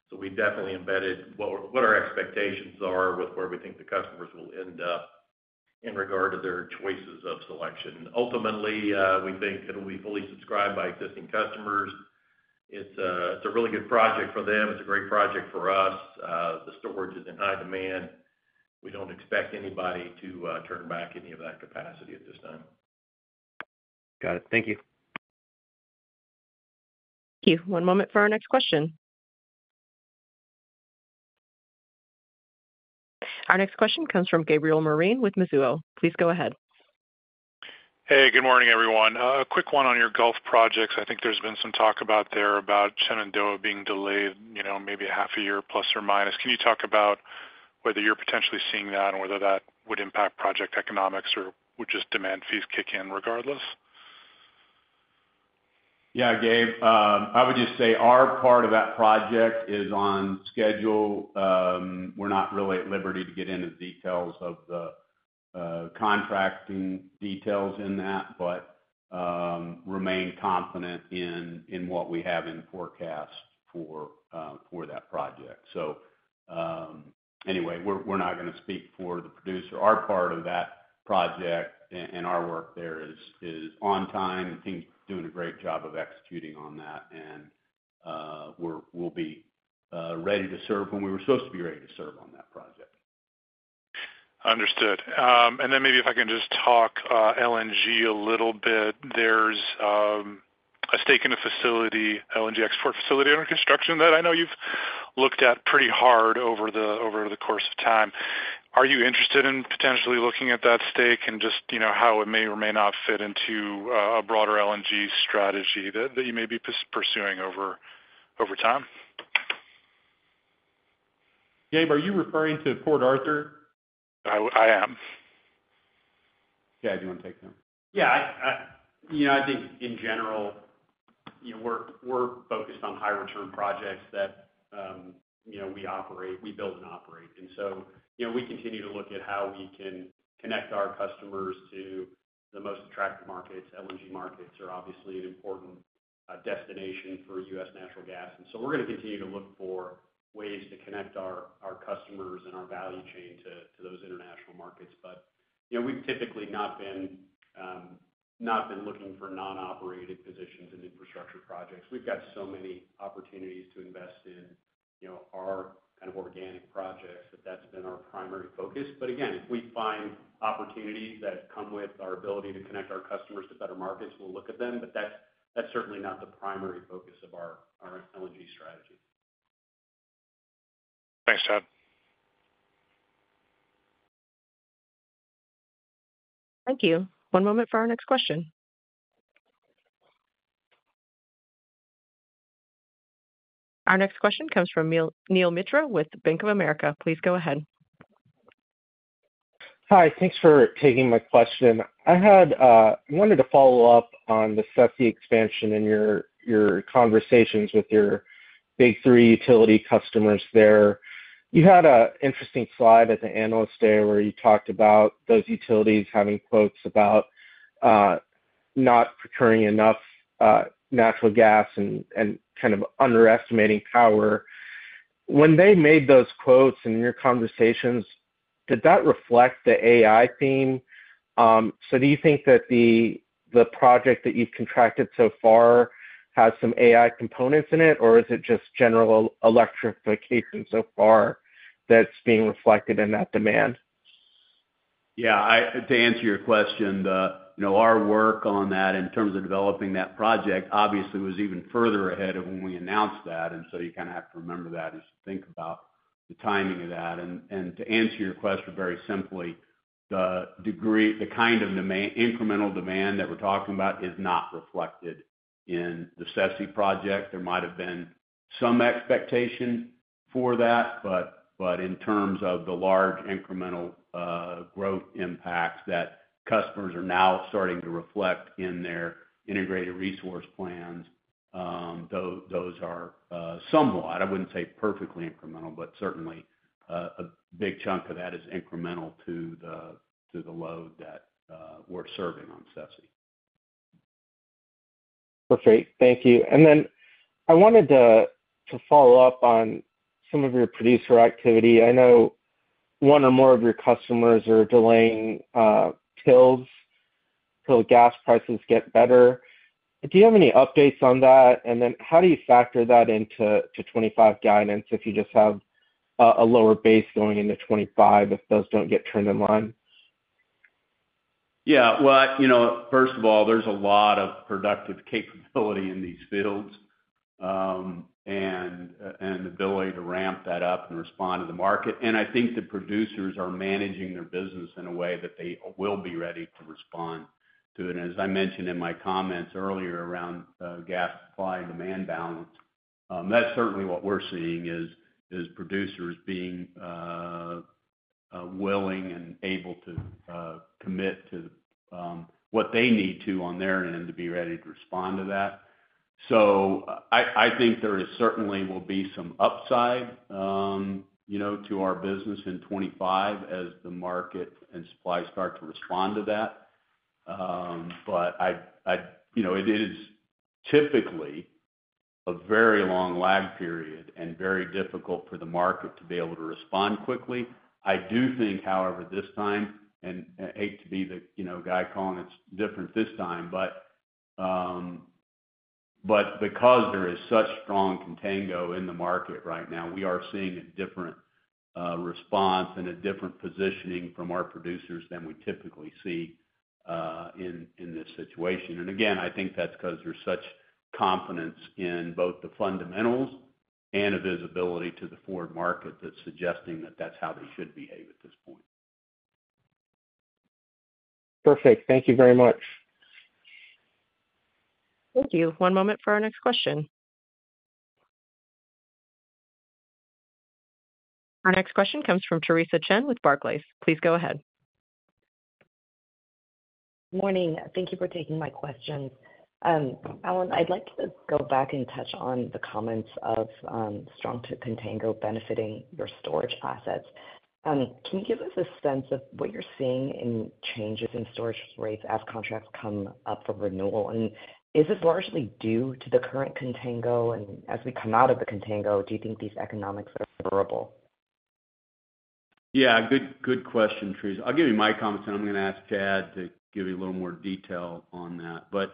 So we definitely embedded what our expectations are with where we think the customers will end up in regard to their choices of selection. Ultimately, we think it'll be fully subscribed by existing customers. It's a really good project for them. It's a great project for us. The storage is in high demand. We don't expect anybody to turn back any of that capacity at this time. Got it. Thank you. Thank you. One moment for our next question. Our next question comes from Gabriel Moreen with Mizuho. Please go ahead. Hey, good morning, everyone. A quick one on your Gulf projects. I think there's been some talk about there, about Shenandoah being delayed, you know, maybe a half a year, plus or minus. Can you talk about whether you're potentially seeing that or whether that would impact project economics, or would just demand fees kick in regardless? Yeah, Gabe, I would just say our part of that project is on schedule. We're not really at liberty to get into the details of the contracting details in that, but remain confident in what we have in the forecast for that project. So, anyway, we're not going to speak for the producer. Our part of that project and our work there is on time, and the team's doing a great job of executing on that, and we'll be ready to serve when we were supposed to be ready to serve on that project. Understood. And then maybe if I can just talk LNG a little bit. There's a stake in a facility, LNG export facility, under construction that I know you've looked at pretty hard over the course of time. Are you interested in potentially looking at that stake and just, you know, how it may or may not fit into a broader LNG strategy that you may be pursuing over time? Gabe, are you referring to Port Arthur? I am. Gabe, do you want to take that? Yeah, you know, I think in general, you know, we're focused on high return projects that, you know, we operate, we build and operate. So, you know, we continue to look at how we can connect our customers to the most attractive markets. LNG markets are obviously an important destination for U.S. natural gas, and so we're going to continue to look for ways to connect our customers and our value chain to those international markets. But, you know, we've typically not been looking for non-operated positions in infrastructure projects. We've got so many opportunities to invest in, you know, our kind of organic projects, that that's been our primary focus. But again, if we find opportunities that come with our ability to connect our customers to better markets, we'll look at them. But that's, that's certainly not the primary focus of our, our LNG strategy. Thanks, Chad. Thank you. One moment for our next question. Our next question comes from Neel, Neel Mitra with Bank of America. Please go ahead. Hi, thanks for taking my question. I had, I wanted to follow up on the CESI expansion and your, your conversations with your big three utility customers there. You had an interesting slide at the Analyst Day, where you talked about those utilities having quotes about, not procuring enough, natural gas and, and kind of underestimating power. When they made those quotes in your conversations, did that reflect the AI theme? So do you think that the, the project that you've contracted so far has some AI components in it, or is it just general electrification so far that's being reflected in that demand? Yeah, I-- to answer your question, the, you know, our work on that in terms of developing that project, obviously, was even further ahead of when we announced that, and so you kind of have to remember that as you think about the timing of that. And to answer your question very simply, the degree, the kind of demand, incremental demand that we're talking about is not reflected in the CESI project. There might have been some expectation for that, but in terms of the large incremental growth impacts that customers are now starting to reflect in their integrated resource plans, those are somewhat, I wouldn't say perfectly incremental, but certainly a big chunk of that is incremental to the load that we're serving on CESI. Perfect. Thank you. And then I wanted to follow up on some of your producer activity. I know one or more of your customers are delaying drills till gas prices get better. Do you have any updates on that? And then how do you factor that into 2025 guidance if you just have a lower base going into 2025 if those don't get turned online? Yeah. Well, you know, first of all, there's a lot of productive capability in these fields, and the ability to ramp that up and respond to the market. And I think the producers are managing their business in a way that they will be ready to respond to it. As I mentioned in my comments earlier around gas supply and demand balance, that's certainly what we're seeing, is producers being willing and able to commit to what they need to on their end to be ready to respond to that. So I think there certainly will be some upside, you know, to our business in 2025 as the market and supply start to respond to that. But you know, it is typically a very long lag period and very difficult for the market to be able to respond quickly. I do think, however, this time, and I hate to be the, you know, guy calling it different this time, but because there is such strong contango in the market right now, we are seeing a different response and a different positioning from our producers than we typically see in this situation. And again, I think that's 'cause there's such confidence in both the fundamentals and a visibility to the forward market that's suggesting that that's how they should behave at this point. Perfect. Thank you very much. Thank you. One moment for our next question. Our next question comes from Theresa Chen with Barclays. Please go ahead. Morning. Thank you for taking my question. Alan, I'd like to go back and touch on the comments of strong contango benefiting your storage assets. Can you give us a sense of what you're seeing in changes in storage rates as contracts come up for renewal? And is this largely due to the current contango? And as we come out of the contango, do you think these economics are durable? Yeah, good, good question, Theresa. I'll give you my comments, and I'm gonna ask Chad to give you a little more detail on that. But,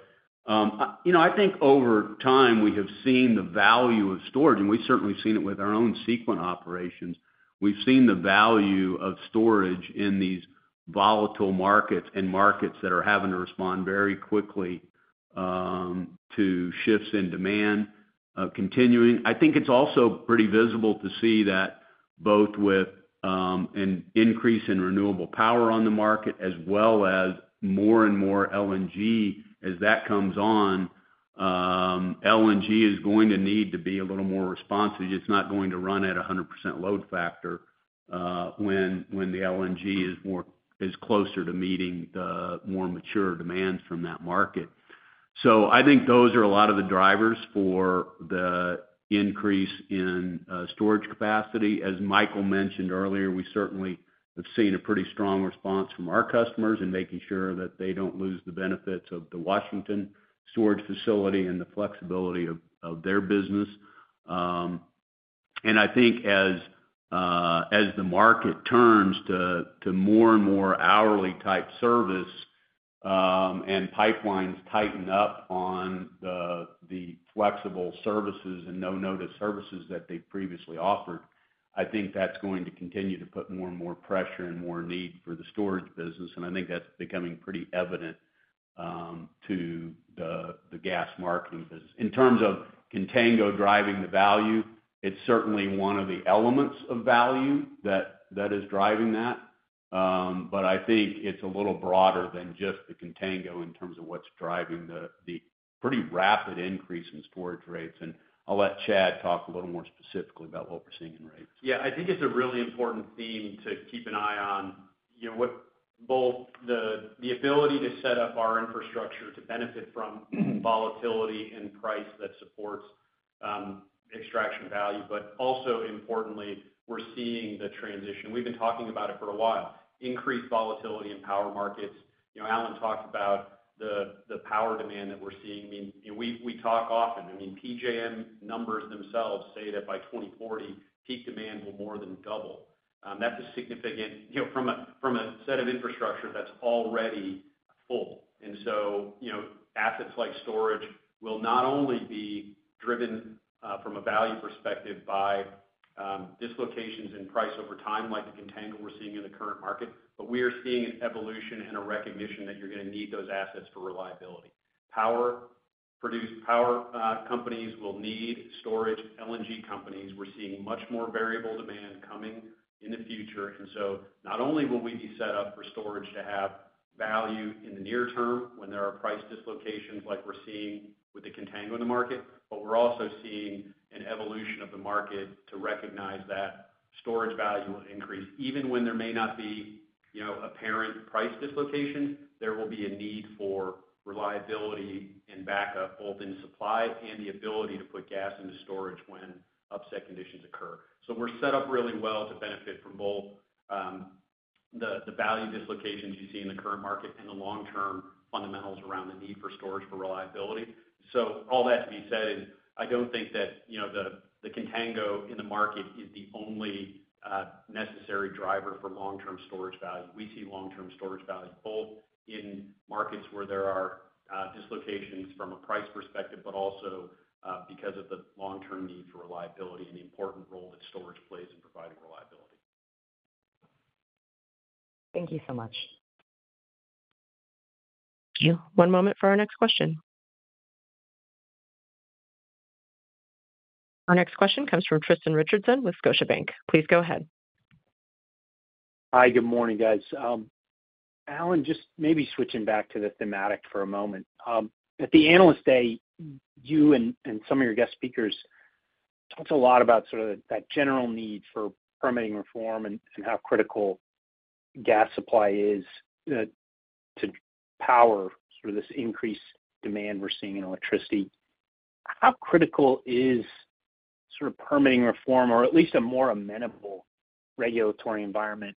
you know, I think over time, we have seen the value of storage, and we've certainly seen it with our own Sequent operations. We've seen the value of storage in these volatile markets and markets that are having to respond very quickly to shifts in demand, continuing. I think it's also pretty visible to see that both with an increase in renewable power on the market, as well as more and more LNG. As that comes on, LNG is going to need to be a little more responsive. It's not going to run at 100% load factor, when the LNG is closer to meeting the more mature demands from that market. So I think those are a lot of the drivers for the increase in storage capacity. As Micheal mentioned earlier, we certainly have seen a pretty strong response from our customers in making sure that they don't lose the benefits of the Washington Storage facility and the flexibility of their business. And I think as the market turns to more and more hourly-type service, and pipelines tighten up on the flexible services and no-notice services that they previously offered, I think that's going to continue to put more and more pressure and more need for the storage business, and I think that's becoming pretty evident to the gas marketing business. In terms of contango driving the value, it's certainly one of the elements of value that is driving that. But I think it's a little broader than just the contango in terms of what's driving the pretty rapid increase in storage rates. And I'll let Chad talk a little more specifically about what we're seeing in rates. Yeah, I think it's a really important theme to keep an eye on, you know, both the ability to set up our infrastructure to benefit from volatility and price that supports extraction value. But also, importantly, we're seeing the transition. We've been talking about it for a while, increased volatility in power markets. You know, Alan talked about the power demand that we're seeing. I mean, we talk often. I mean, PJM numbers themselves say that by 2040, peak demand will more than double. That's a significant, you know, from a set of infrastructure that's already full. You know, assets like storage will not only be driven from a value perspective by dislocations in price over time, like the contango we're seeing in the current market, but we are seeing an evolution and a recognition that you're gonna need those assets for reliability. Power prod companies will need storage. LNG companies, we're seeing much more variable demand coming in the future. Not only will we be set up for storage to have value in the near term when there are price dislocations, like we're seeing with the contango in the market, but we're also seeing an evolution of the market to recognize that storage value will increase. Even when there may not be, you know, apparent price dislocation, there will be a need for reliability and backup, both in supply and the ability to put gas into storage when upset conditions occur. So we're set up really well to benefit from both, the value dislocations you see in the current market and the long-term fundamentals around the need for storage for reliability. So all that to be said, I don't think that, you know, the contango in the market is the only necessary driver for long-term storage value. We see long-term storage value both in markets where there are dislocations from a price perspective, but also because of the long-term need for reliability and the important role that storage plays in providing reliability.... Thank you so much. Thank you. One moment for our next question. Our next question comes from Tristan Richardson with Scotiabank. Please go ahead. Hi, good morning, guys. Alan, just maybe switching back to the thematic for a moment. At the Analyst Day, you and some of your guest speakers talked a lot about sort of that general need for permitting reform and how critical gas supply is to power sort of this increased demand we're seeing in electricity. How critical is sort of permitting reform, or at least a more amenable regulatory environment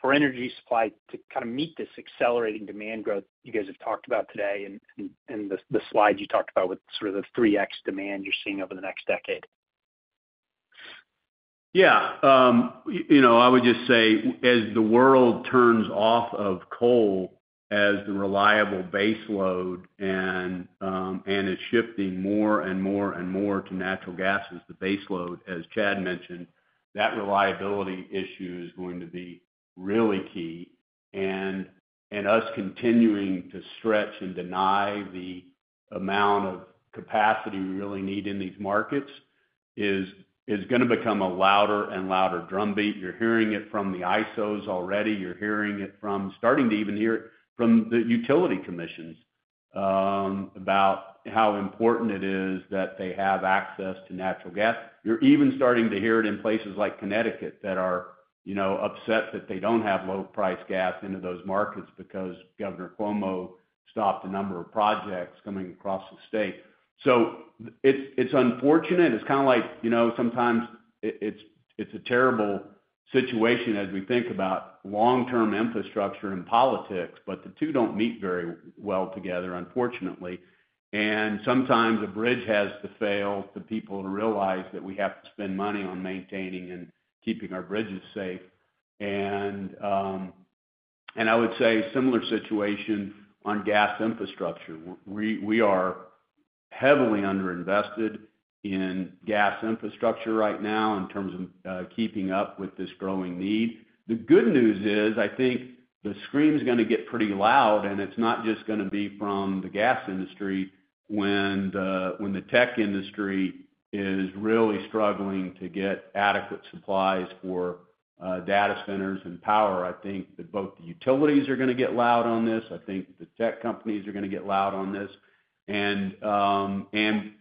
for energy supply to kind of meet this accelerating demand growth you guys have talked about today and the slides you talked about with sort of the 3x demand you're seeing over the next decade? Yeah, you know, I would just say, as the world turns off of coal as the reliable base load and is shifting more and more and more to natural gas as the base load, as Chad mentioned, that reliability issue is going to be really key. And us continuing to stretch and deny the amount of capacity we really need in these markets is gonna become a louder and louder drumbeat. You're hearing it from the ISOs already. You're hearing it from—starting to even hear it from the utility commissions about how important it is that they have access to natural gas. You're even starting to hear it in places like Connecticut that are, you know, upset that they don't have low-priced gas into those markets because Governor Cuomo stopped a number of projects coming across the state. So it's unfortunate. It's kind of like, you know, sometimes it's a terrible situation as we think about long-term infrastructure and politics, but the two don't meet very well together, unfortunately. Sometimes a bridge has to fail for people to realize that we have to spend money on maintaining and keeping our bridges safe. And I would say similar situation on gas infrastructure. We are heavily underinvested in gas infrastructure right now in terms of keeping up with this growing need. The good news is, I think the scream's gonna get pretty loud, and it's not just gonna be from the gas industry. When the tech industry is really struggling to get adequate supplies for data centers and power, I think that both the utilities are gonna get loud on this. I think the tech companies are gonna get loud on this.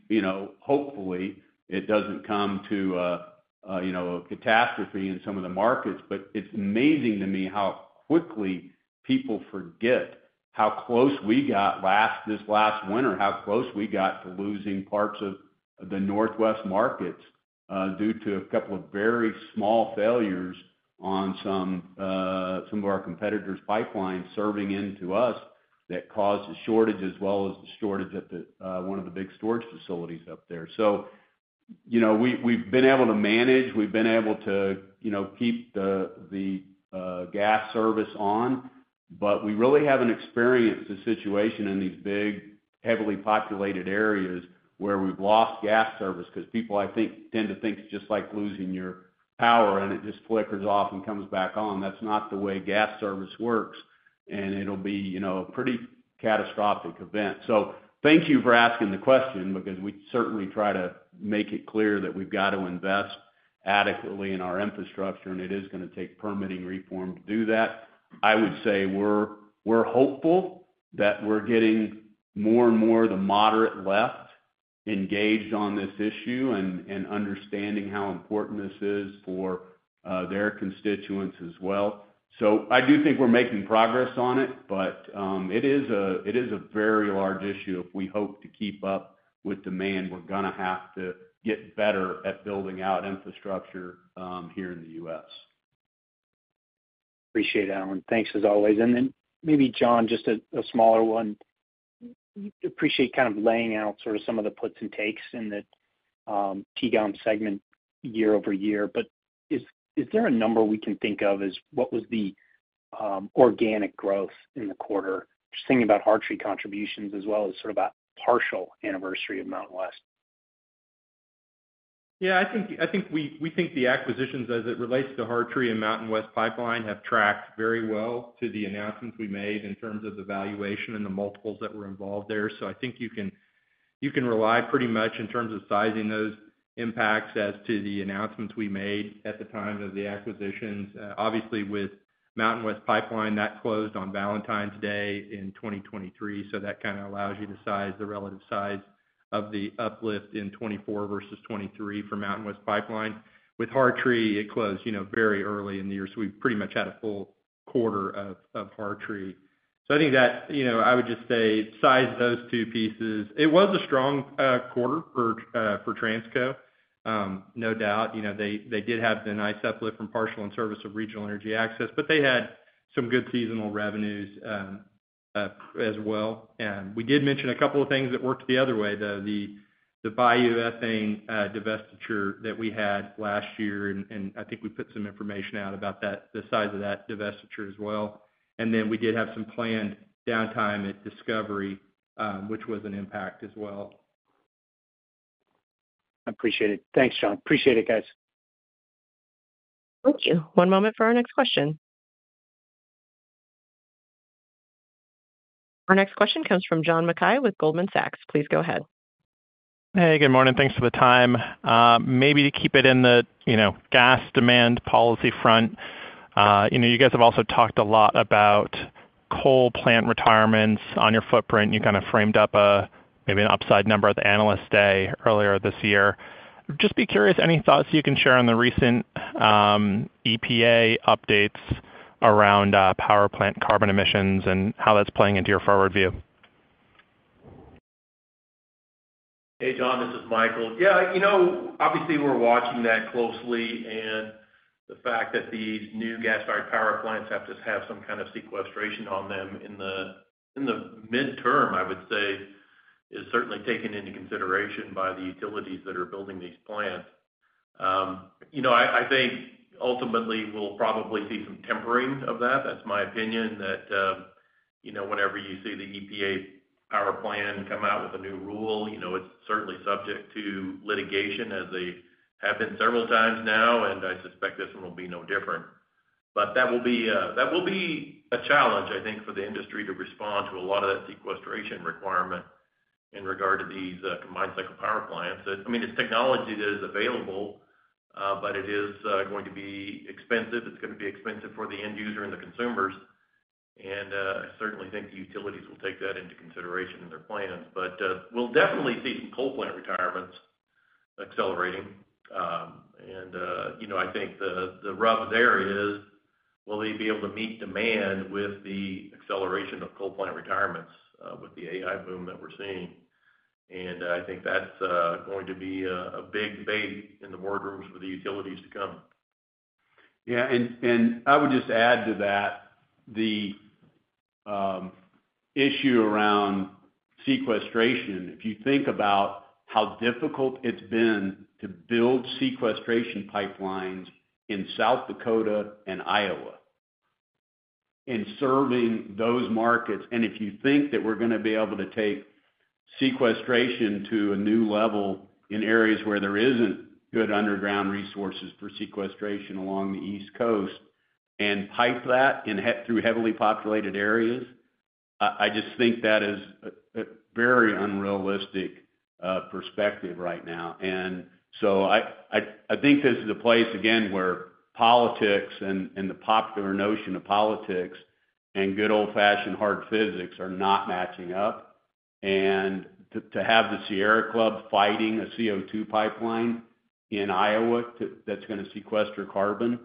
You know, hopefully, it doesn't come to a catastrophe in some of the markets. But it's amazing to me how quickly people forget how close we got this last winter, how close we got to losing parts of the Northwest markets due to a couple of very small failures on some of our competitors' pipelines serving into us that caused a shortage, as well as the shortage at one of the big storage facilities up there. So, you know, we've been able to manage. We've been able to keep the gas service on, but we really haven't experienced a situation in these big, heavily populated areas where we've lost gas service. Because people, I think, tend to think it's just like losing your power, and it just flickers off and comes back on. That's not the way gas service works, and it'll be, you know, a pretty catastrophic event. So thank you for asking the question, because we certainly try to make it clear that we've got to invest adequately in our infrastructure, and it is gonna take permitting reform to do that. I would say we're, we're hopeful that we're getting more and more of the moderate left engaged on this issue and, and understanding how important this is for their constituents as well. So I do think we're making progress on it, but it is a, it is a very large issue. If we hope to keep up with demand, we're gonna have to get better at building out infrastructure here in the U.S. Appreciate it, Alan. Thanks, as always. And then maybe, John, just a smaller one. Appreciate kind of laying out sort of some of the puts and takes in the T&G segment year over year. But is there a number we can think of as what was the organic growth in the quarter? Just thinking about Hartree contributions as well as sort of a partial anniversary of Mountain West. Yeah, I think, I think we, we think the acquisitions, as it relates to Hartree and Mountain West Pipeline, have tracked very well to the announcements we made in terms of the valuation and the multiples that were involved there. So I think you can, you can rely pretty much in terms of sizing those impacts as to the announcements we made at the time of the acquisitions. Obviously, with Mountain West Pipeline, that closed on Valentine's Day in 2023, so that kind of allows you to size the relative size of the uplift in 2024 versus 2023 for Mountain West Pipeline. With Hartree, it closed, you know, very early in the year, so we pretty much had a full quarter of, of Hartree. So I think that... You know, I would just say, size those two pieces. It was a strong quarter for Transco. No doubt, you know, they, they did have the nice uplift from partial in-service of Regional Energy Access, but they had some good seasonal revenues, as well. And we did mention a couple of things that worked the other way, though, the, the Bayou Ethane divestiture that we had last year, and, and I think we put some information out about that, the size of that divestiture as well. And then we did have some planned downtime at Discovery, which was an impact as well. ... I appreciate it. Thanks, John. Appreciate it, guys. Thank you. One moment for our next question. Our next question comes from John Mackay with Goldman Sachs. Please go ahead. Hey, good morning. Thanks for the time. Maybe to keep it in the, you know, gas demand policy front. You know, you guys have also talked a lot about coal plant retirements on your footprint, and you kind of framed up a, maybe an upside number at the Analyst Day earlier this year. Just be curious, any thoughts you can share on the recent, EPA updates around, power plant carbon emissions and how that's playing into your forward view? Hey, John, this is Micheal. Yeah, you know, obviously, we're watching that closely, and the fact that these new gas-fired power plants have to have some kind of sequestration on them in the midterm, I would say, is certainly taken into consideration by the utilities that are building these plants. You know, I think ultimately we'll probably see some tempering of that. That's my opinion, that, you know, whenever you see the EPA power plan come out with a new rule, you know, it's certainly subject to litigation as they have been several times now, and I suspect this one will be no different. But that will be a challenge, I think, for the industry to respond to a lot of that sequestration requirement in regard to these combined cycle power plants. I mean, it's technology that is available, but it is going to be expensive. It's going to be expensive for the end user and the consumers, and I certainly think the utilities will take that into consideration in their plans. But we'll definitely see some coal plant retirements accelerating. And you know, I think the rub there is, will they be able to meet demand with the acceleration of coal plant retirements with the AI boom that we're seeing? And I think that's going to be a big debate in the boardrooms for the utilities to come. Yeah, and I would just add to that the issue around sequestration. If you think about how difficult it's been to build sequestration pipelines in South Dakota and Iowa, in serving those markets, and if you think that we're gonna be able to take sequestration to a new level in areas where there isn't good underground resources for sequestration along the East Coast, and pipe that in through heavily populated areas, I just think that is a very unrealistic perspective right now. And so I think this is a place, again, where politics and the popular notion of politics and good old-fashioned hard physics are not matching up. To have the Sierra Club fighting a CO2 pipeline in Iowa that's gonna sequester carbon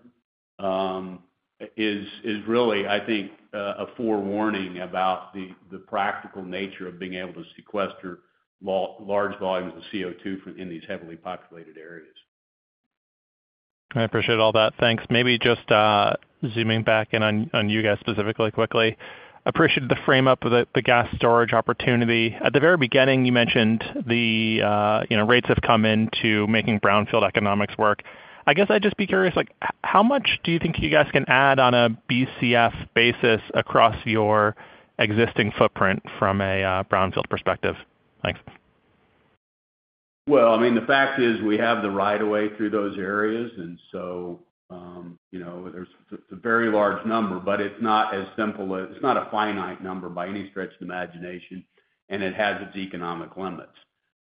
is really, I think, a forewarning about the practical nature of being able to sequester large volumes of CO2 in these heavily populated areas. I appreciate all that. Thanks. Maybe just zooming back in on you guys specifically quickly. Appreciated the frame-up of the gas storage opportunity. At the very beginning, you mentioned the you know rates have come in to making brownfield economics work. I guess I'd just be curious like how much do you think you guys can add on a BCF basis across your existing footprint from a brownfield perspective? Thanks. Well, I mean, the fact is we have the right of way through those areas, and so, you know, it's a very large number, but it's not as simple as it's not a finite number by any stretch of the imagination, and it has its economic limits.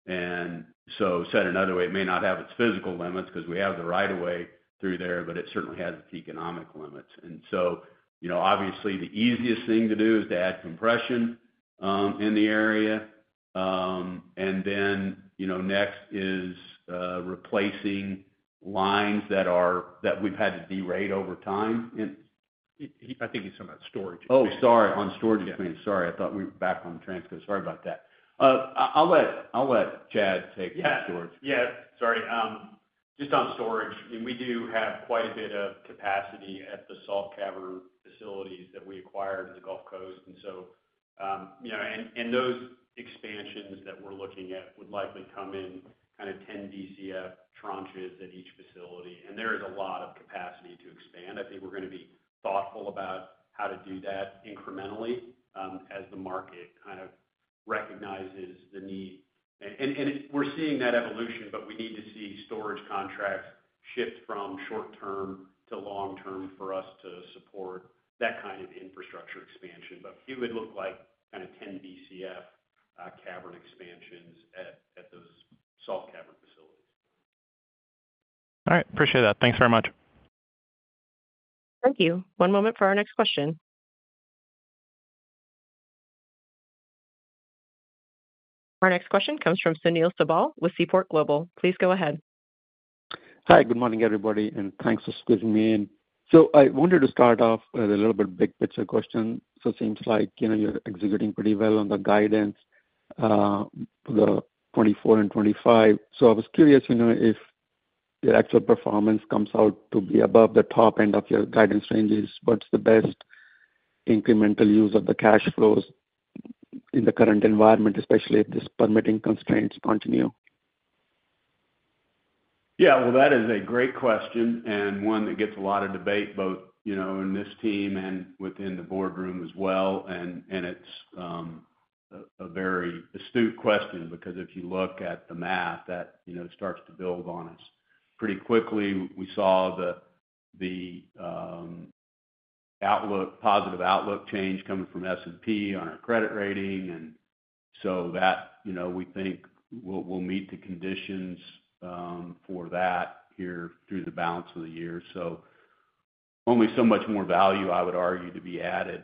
And so said another way, it may not have its physical limits because we have the right of way through there, but it certainly has its economic limits. And so, you know, obviously the easiest thing to do is to add compression in the area. And then, you know, next is replacing lines that are, that we've had to derate over time and- I think he's talking about storage. Oh, sorry, on storage expansion. Yeah. Sorry, I thought we were back on the transcript. Sorry about that. I'll let Chad take that storage. Yeah, yeah. Sorry, just on storage, I mean, we do have quite a bit of capacity at the salt cavern facilities that we acquired in the Gulf Coast. And so, you know, and those expansions that we're looking at would likely come in kind of 10 BCF tranches at each facility, and there is a lot of capacity to expand. I think we're going to be thoughtful about how to do that incrementally, as the market kind of recognizes the need. And, and, we're seeing that evolution, but we need to see storage contracts shift from short term to long term for us to support that kind of infrastructure expansion. But it would look like kind of 10 BCF, cavern expansions at, at those salt cavern facilities. All right. Appreciate that. Thanks very much. Thank you. One moment for our next question. Our next question comes from Sunil Sibal with Seaport Global. Please go ahead. Hi, good morning, everybody, and thanks for squeezing me in. So I wanted to start off with a little bit big picture question. So it seems like, you know, you're executing pretty well on the guidance for the 2024 and 2025. So I was curious, you know, if your actual performance comes out to be above the top end of your guidance ranges, what's the best incremental use of the cash flows in the current environment, especially if these permitting constraints continue?... Yeah, well, that is a great question, and one that gets a lot of debate, both, you know, in this team and within the boardroom as well. And it's a very astute question, because if you look at the math that, you know, starts to build on us pretty quickly, we saw the positive outlook change coming from S&P on our credit rating. And so that, you know, we think we'll meet the conditions for that here through the balance of the year. So only so much more value, I would argue, to be added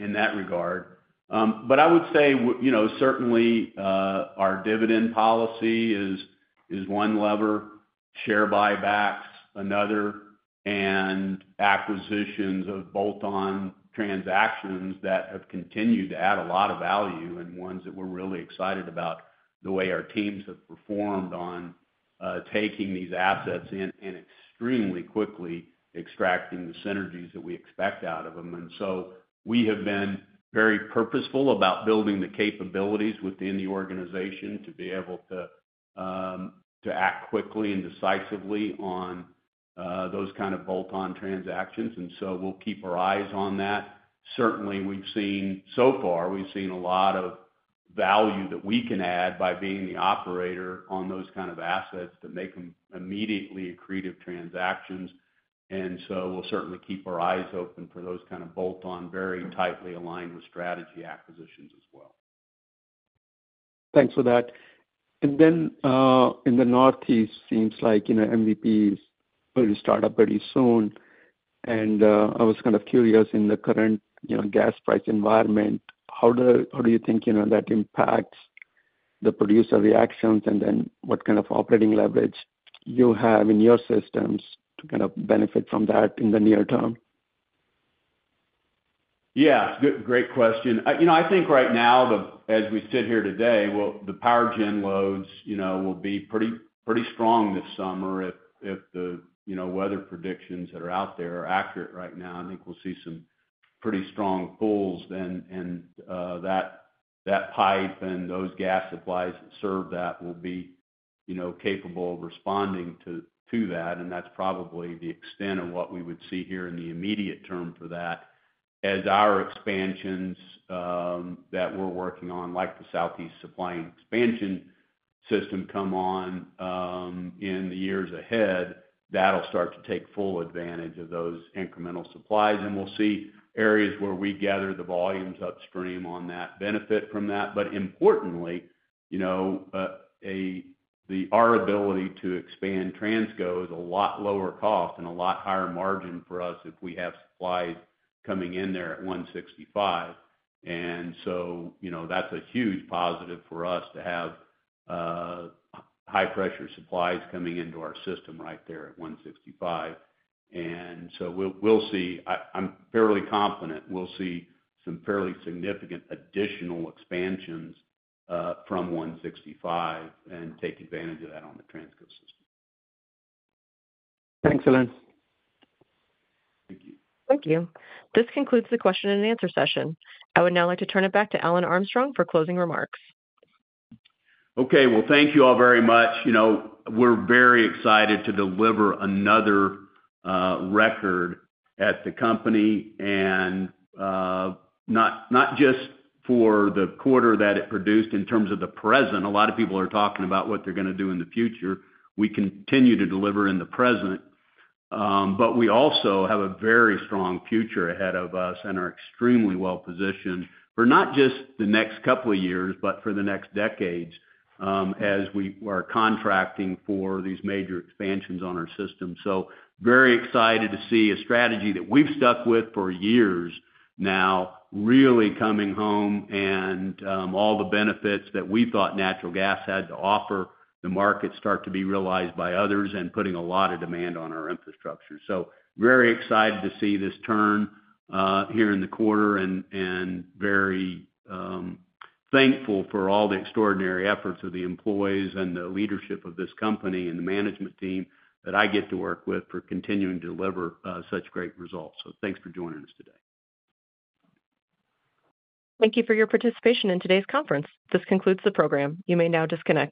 in that regard. But I would say, you know, certainly, our dividend policy is one lever, share buybacks another, and acquisitions of bolt-on transactions that have continued to add a lot of value, and ones that we're really excited about the way our teams have performed on taking these assets in, and extremely quickly extracting the synergies that we expect out of them. So we have been very purposeful about building the capabilities within the organization to be able to act quickly and decisively on those kind of bolt-on transactions. So we'll keep our eyes on that. Certainly, we've seen so far a lot of value that we can add by being the operator on those kind of assets that make them immediately accretive transactions. And so we'll certainly keep our eyes open for those kind of bolt-on, very tightly aligned with strategy acquisitions as well. Thanks for that. And then, in the Northeast, seems like, you know, MVP is going to start up pretty soon. And, I was kind of curious, in the current, you know, gas price environment, how do, how do you think, you know, that impacts the producer reactions? And then what kind of operating leverage you have in your systems to kind of benefit from that in the near term? Yeah, good, great question. You know, I think right now, as we sit here today, well, the power gen loads, you know, will be pretty, pretty strong this summer if the, you know, weather predictions that are out there are accurate right now. I think we'll see some pretty strong pulls then. And that pipe and those gas supplies that serve that will be, you know, capable of responding to that, and that's probably the extent of what we would see here in the immediate term for that. As our expansions that we're working on, like the Southeast Supply expansion system, come on in the years ahead, that'll start to take full advantage of those incremental supplies. And we'll see areas where we gather the volumes upstream on that, benefit from that. But importantly, you know, our ability to expand Transco is a lot lower cost and a lot higher margin for us if we have supplies coming in there at 165. And so, you know, that's a huge positive for us to have high-pressure supplies coming into our system right there at 165. And so we'll see. I'm fairly confident we'll see some fairly significant additional expansions from 165 and take advantage of that on the Transco system. Thanks, Alan. Thank you. Thank you. This concludes the question and answer session. I would now like to turn it back to Alan Armstrong for closing remarks. Okay. Well, thank you all very much. You know, we're very excited to deliver another record at the company. And not just for the quarter that it produced in terms of the present, a lot of people are talking about what they're gonna do in the future. We continue to deliver in the present, but we also have a very strong future ahead of us and are extremely well-positioned for not just the next couple of years, but for the next decades, as we are contracting for these major expansions on our system. So very excited to see a strategy that we've stuck with for years now, really coming home, and all the benefits that we thought natural gas had to offer the market start to be realized by others and putting a lot of demand on our infrastructure. So very excited to see this turn here in the quarter, and very thankful for all the extraordinary efforts of the employees and the leadership of this company and the management team that I get to work with, for continuing to deliver such great results. So thanks for joining us today. Thank you for your participation in today's conference. This concludes the program. You may now disconnect.